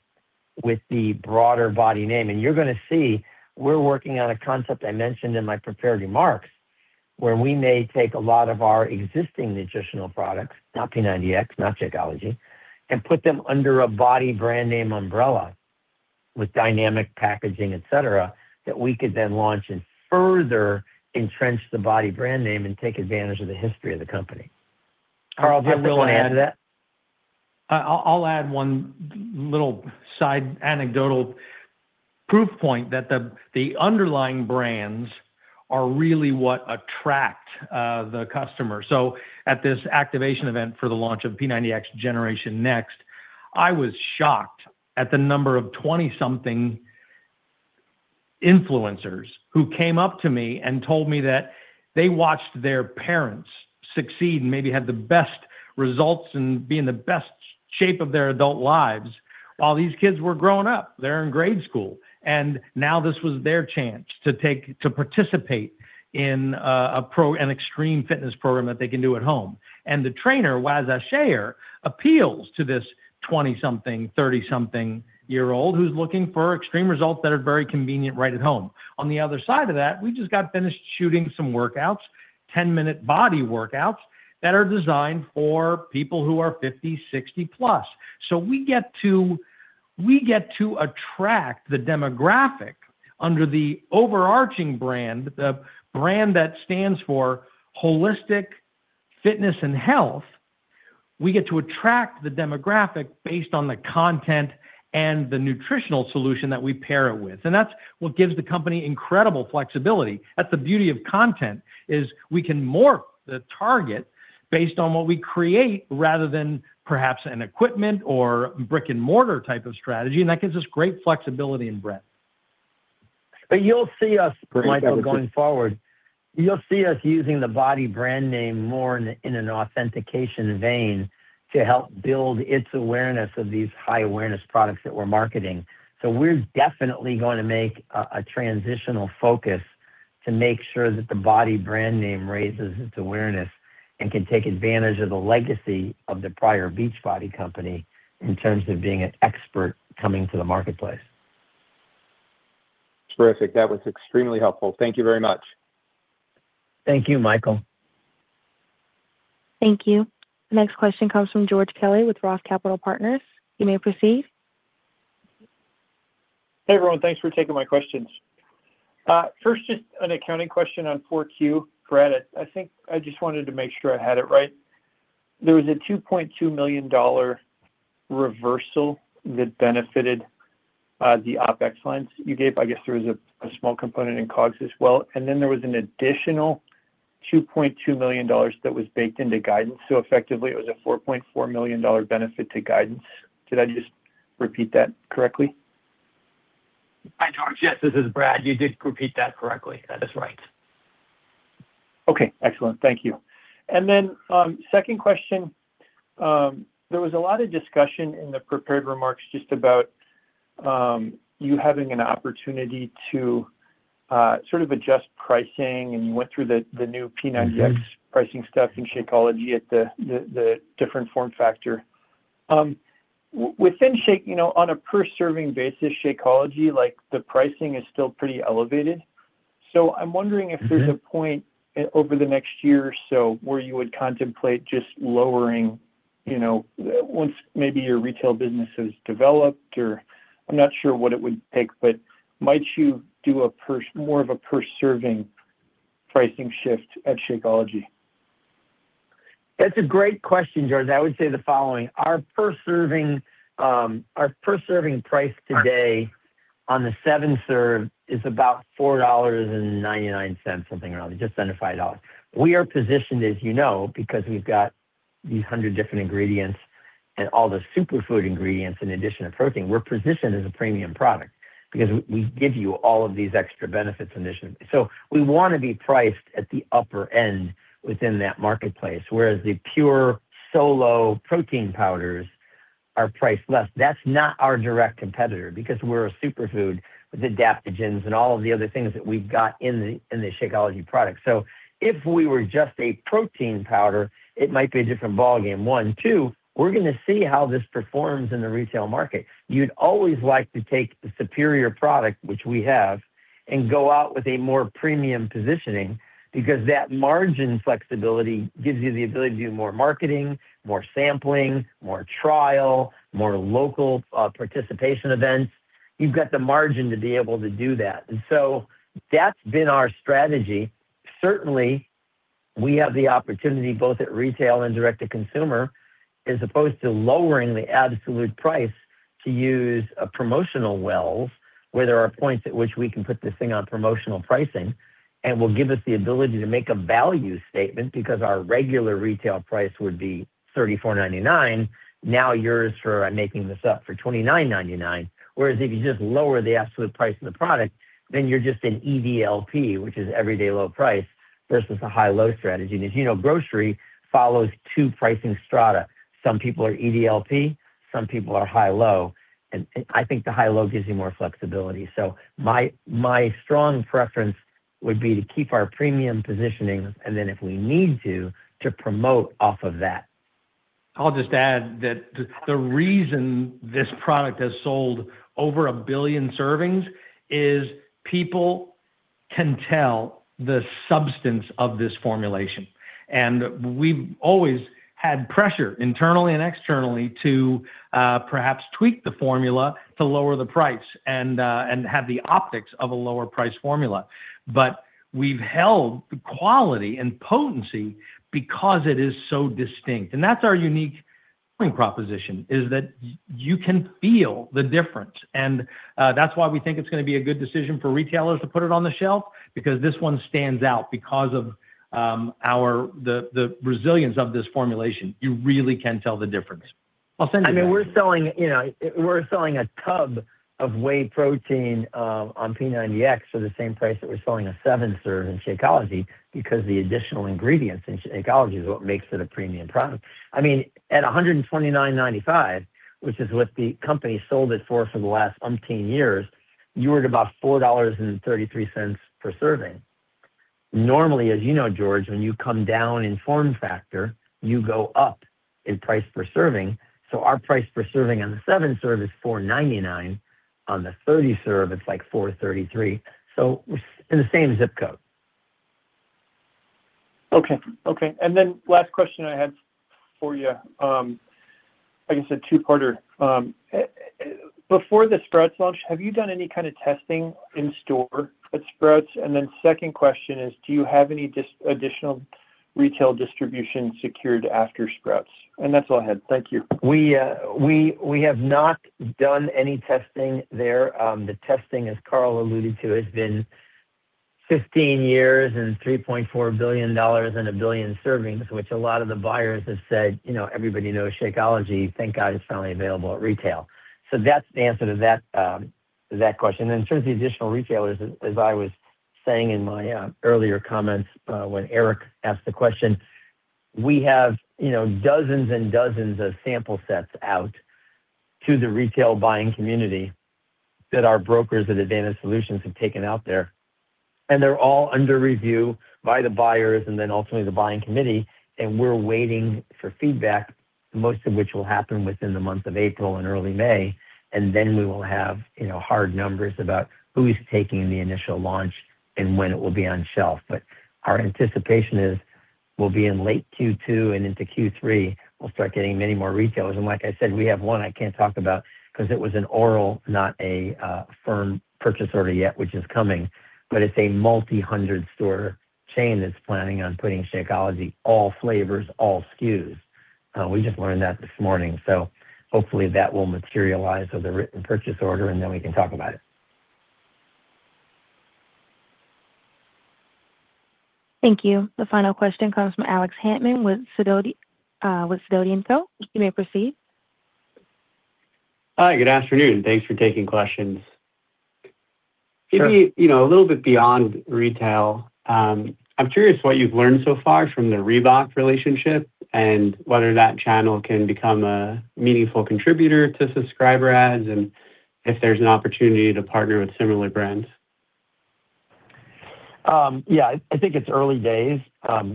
with the broader Body name. You're gonna see we're working on a concept I mentioned in my prepared remarks, where we may take a lot of our existing nutritional products, not P90X, not Shakeology, and put them under a Body brand name umbrella with dynamic packaging, et cetera, that we could then launch and further entrench the Body brand name and take advantage of the history of the company. Carl, do you have anything to add to that? I'll add one little side anecdotal proof point that the underlying brands are really what attract the customer. At this activation event for the launch of P90X Generation Next, I was shocked at the number of twenty-something influencers who came up to me and told me that they watched their parents succeed and maybe had the best results and be in the best shape of their adult lives while these kids were growing up. They're in grade school. Now this was their chance to participate in an extreme fitness program that they can do at home. The trainer, Waz Ashayer, appeals to this 20-something, 30-something year old who's looking for extreme results that are very convenient right at home. On the other side of that, we just got finished shooting some workouts, 10-minute BODi workouts, that are designed for people who are 50, 60+. We get to attract the demographic under the overarching brand, the brand that stands for holistic fitness and health. We get to attract the demographic based on the content and the nutritional solution that we pair it with. That's what gives the company incredible flexibility. That's the beauty of content, is we can morph the target based on what we create rather than perhaps an equipment or brick-and-mortar type of strategy, and that gives us great flexibility and breadth. You'll see us, Michael, going forward. You'll see us using the BODi brand name more in an authentication vein to help build its awareness of these high-awareness products that we're marketing. We're definitely going to make a transitional focus to make sure that the BODi brand name raises its awareness and can take advantage of the legacy of the prior Beachbody Company in terms of being an expert coming to the marketplace. Terrific. That was extremely helpful. Thank you very much. Thank you, Michael. Thank you. Next question comes from George Kelly with Roth Capital Partners. You may proceed. Hey, everyone. Thanks for taking my questions. First, just an accounting question on Q4. Brad, I think I just wanted to make sure I had it right. There was a $2.2 million reversal that benefited the OpEx lines you gave. I guess there was a small component in COGS as well. There was an additional $2.2 million that was baked into guidance. Effectively, it was a $4.4 million benefit to guidance. Did I just repeat that correctly? Hi, George. Yes, this is Brad. You did repeat that correctly. That is right. Okay, excellent. Thank you. Second question. There was a lot of discussion in the prepared remarks just about you having an opportunity to sort of adjust pricing, and you went through the new P90X pricing stuff in Shakeology at the different form factor. Within Shake, you know, on a per serving basis Shakeology, like, the pricing is still pretty elevated. I'm wondering if there's a point over the next year or so where you would contemplate just lowering, you know, once maybe your retail business is developed or I'm not sure what it would take, but might you do more of a per serving pricing shift at Shakeology? That's a great question, George. I would say the following. Our per serving price today on the seven serve is about $4.99, something around just under $5. We are positioned, as you know, because we've got these 100 different ingredients and all the superfood ingredients in addition to protein, we're positioned as a premium product because we give you all of these extra benefits initially. We wanna be priced at the upper end within that marketplace, whereas the pure solo protein powders are priced less. That's not our direct competitor because we're a superfood with adaptogens and all of the other things that we've got in the Shakeology product. If we were just a protein powder, it might be a different ballgame, one. Two, we're gonna see how this performs in the retail market. You'd always like to take the superior product, which we have, and go out with a more premium positioning because that margin flexibility gives you the ability to do more marketing, more sampling, more trial, more local, participation events. You've got the margin to be able to do that. That's been our strategy. Certainly, we have the opportunity both at retail and direct-to-consumer, as opposed to lowering the absolute price to use a promotional well where there are points at which we can put this thing on promotional pricing, and will give us the ability to make a value statement because our regular retail price would be $34.99. Now yours for, I'm making this up, for $29.99. Whereas if you just lower the absolute price of the product, then you're just an EDLP, which is everyday low price versus a high-low strategy. As you know, grocery follows two pricing strata. Some people are EDLP, some people are high-low, and I think the high-low gives you more flexibility. My strong preference would be to keep our premium positioning and then if we need to promote off of that. I'll just add that the reason this product has sold over 1 billion servings is people can tell the substance of this formulation. We've always had pressure internally and externally to perhaps tweak the formula to lower the price and have the optics of a lower price formula. We've held the quality and potency because it is so distinct. That's our unique proposition, is that you can feel the difference. That's why we think it's gonna be a good decision for retailers to put it on the shelf because this one stands out because of the resilience of this formulation. You really can tell the difference. I'll send it back. I mean, we're selling, you know, a tub of whey protein on P90X for the same price that we're selling a seven-serve in Shakeology because the additional ingredients in Shakeology is what makes it a premium product. I mean, at $129.95, which is what the company sold it for the last umpteen years, you were at about $4.33 per serving. Normally, as you know, George, when you come down in form factor, you go up in price per serving. Our price per serving on the seven-serve is $4.99, on the 30-serve, it's like $4.33. We're in the same zip code. Okay. Last question I have for you, like I said, two-parter. Before the Sprouts launch, have you done any kind of testing in store at Sprouts? Second question is, do you have any additional retail distribution secured after Sprouts? That's all I had. Thank you. We have not done any testing there. The testing, as Carl alluded to, has been 15 years and $3.4 billion and 1 billion servings, which a lot of the buyers have said, you know, everybody knows Shakeology, thank God it's finally available at retail. That's the answer to that question. In terms of the additional retailers, as I was saying in my earlier comments, when Eric asked the question, we have, you know, dozens and dozens of sample sets out to the retail buying community that our brokers at Advantage Solutions have taken out there. They're all under review by the buyers and then ultimately the buying committee, and we're waiting for feedback, most of which will happen within the month of April and early May. We will have, you know, hard numbers about who is taking the initial launch and when it will be on shelf. Our anticipation is we'll be in late Q2 and into Q3, we'll start getting many more retailers. Like I said, we have one I can't talk about because it was an oral, not a firm purchase order yet, which is coming, but it's a multi-hundred store chain that's planning on putting Shakeology, all flavors, all SKUs. We just learned that this morning, so hopefully that will materialize with a written purchase order, and then we can talk about it. Thank you. The final question comes from Alex Hantman with Sidoti & Company. You may proceed. Hi, good afternoon. Thanks for taking questions. Sure. Give me, you know, a little bit beyond retail. I'm curious what you've learned so far from the Reebok relationship and whether that channel can become a meaningful contributor to subscriber adds, and if there's an opportunity to partner with similar brands. Yeah. I think it's early days,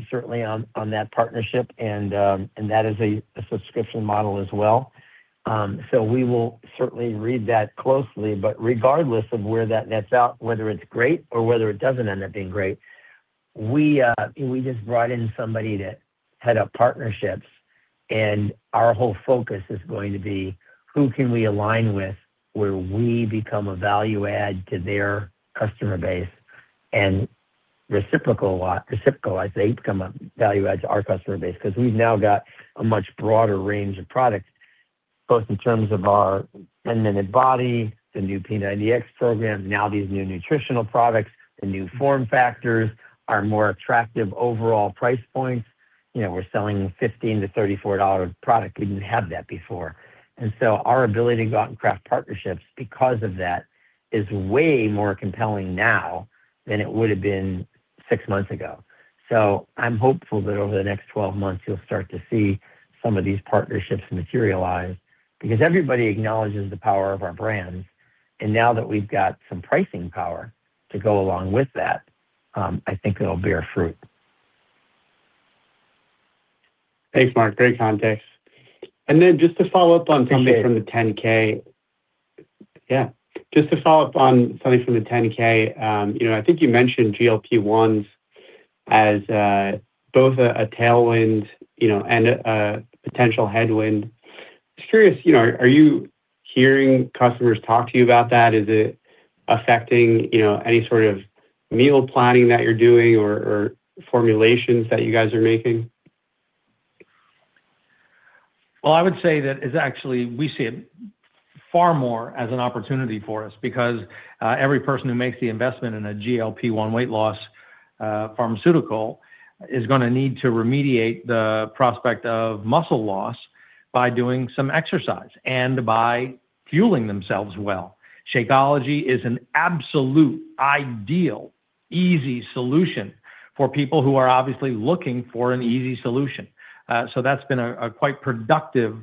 certainly on that partnership and that is a subscription model as well. We will certainly read that closely. Regardless of where that nets out, whether it's great or whether it doesn't end up being great, we just brought in somebody to head up partnerships, and our whole focus is going to be who can we align with where we become a value add to their customer base and reciprocal as they become a value add to our customer base. Because we've now got a much broader range of products, both in terms of our 10 Minute BODi, the new P90X program, now these new nutritional products, the new form factors, our more attractive overall price points. You know, we're selling $15-$34 product. We didn't have that before. Our ability to go out and craft partnerships because of that is way more compelling now than it would have been six months ago. I'm hopeful that over the next twelve months you'll start to see some of these partnerships materialize because everybody acknowledges the power of our brands. Now that we've got some pricing power to go along with that, I think it'll bear fruit. Thanks, Mark. Great context. Just to follow up on something from the 10-K. You know, I think you mentioned GLP-1s as both a tailwind, you know, and a potential headwind. Just curious, you know, are you hearing customers talk to you about that? Is it affecting, you know, any sort of meal planning that you're doing or formulations that you guys are making? Well, I would say that it's actually we see it far more as an opportunity for us because every person who makes the investment in a GLP-1 weight loss pharmaceutical is gonna need to remediate the prospect of muscle loss by doing some exercise and by fueling themselves well. Shakeology is an absolute ideal, easy solution for people who are obviously looking for an easy solution. So that's been a quite productive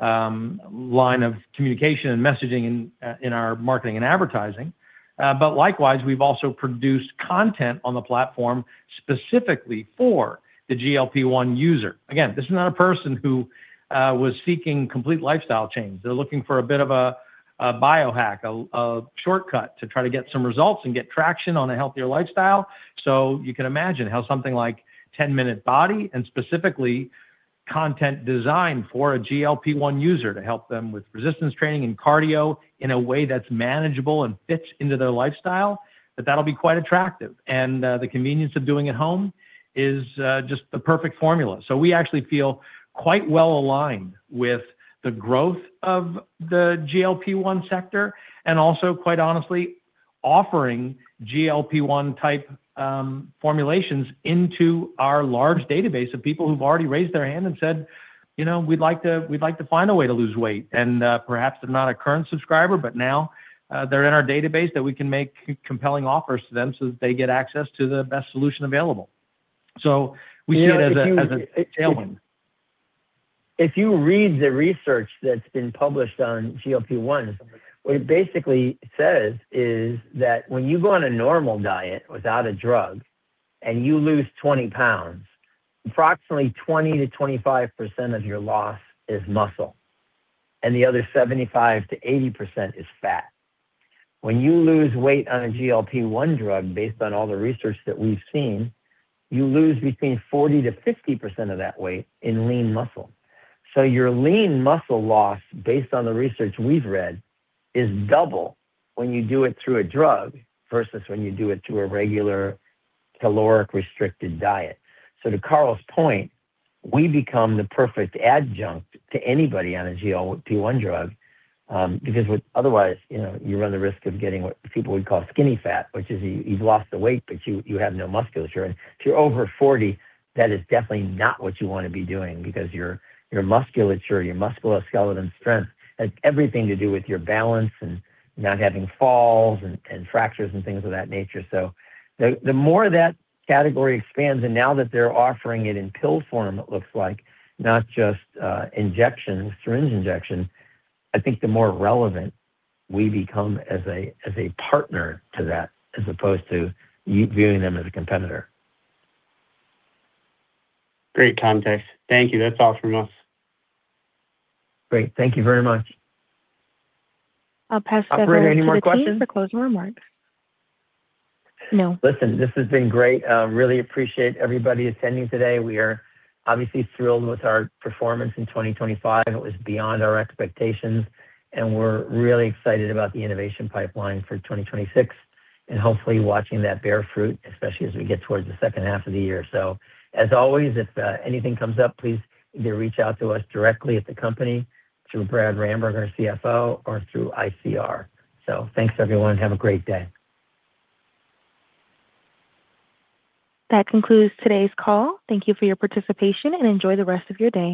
line of communication and messaging in our marketing and advertising. But likewise, we've also produced content on the platform specifically for the GLP-1 user. Again, this is not a person who was seeking complete lifestyle change. They're looking for a bit of a biohack, a shortcut to try to get some results and get traction on a healthier lifestyle. You can imagine how something like 10 Minute BODi and specifically content designed for a GLP-1 user to help them with resistance training and cardio in a way that's manageable and fits into their lifestyle, that that'll be quite attractive. The convenience of doing at home is just the perfect formula. We actually feel quite well aligned with the growth of the GLP-1 sector and also quite honestly offering GLP-1 type formulations into our large database of people who've already raised their hand and said, "You know, we'd like to find a way to lose weight." Perhaps they're not a current subscriber, but now they're in our database that we can make compelling offers to them so that they get access to the best solution available. We see it as a tailwind. If you read the research that's been published on GLP-1, what it basically says is that when you go on a normal diet without a drug and you lose 20 pounds, approximately 20%-25% of your loss is muscle, and the other 75%-80% is fat. When you lose weight on a GLP-1 drug, based on all the research that we've seen, you lose between 40%-50% of that weight in lean muscle. Your lean muscle loss, based on the research we've read, is double when you do it through a drug versus when you do it through a regular caloric restricted diet. To Carl's point, we become the perfect adjunct to anybody on a GLP-1 drug, because otherwise, you know, you run the risk of getting what people would call skinny fat, which is you've lost the weight, but you have no musculature. If you're over 40, that is definitely not what you wanna be doing because your musculature, your musculoskeletal strength has everything to do with your balance and not having falls and fractures and things of that nature. The more that category expands and now that they're offering it in pill form, it looks like not just injection, syringe injection, I think the more relevant we become as a partner to that as opposed to you viewing them as a competitor. Great context. Thank you. That's all from us. Great. Thank you very much. I'll pass that over to the team for closing remarks. Operator, any more questions? No. Listen, this has been great. Really appreciate everybody attending today. We are obviously thrilled with our performance in 2025. It was beyond our expectations, and we're really excited about the innovation pipeline for 2026 and hopefully watching that bear fruit, especially as we get towards the second half of the year. As always, if anything comes up, please either reach out to us directly at the company through Brad Ramberg, our CFO, or through ICR. Thanks, everyone, have a great day. That concludes today's call. Thank you for your participation, and enjoy the rest of your day.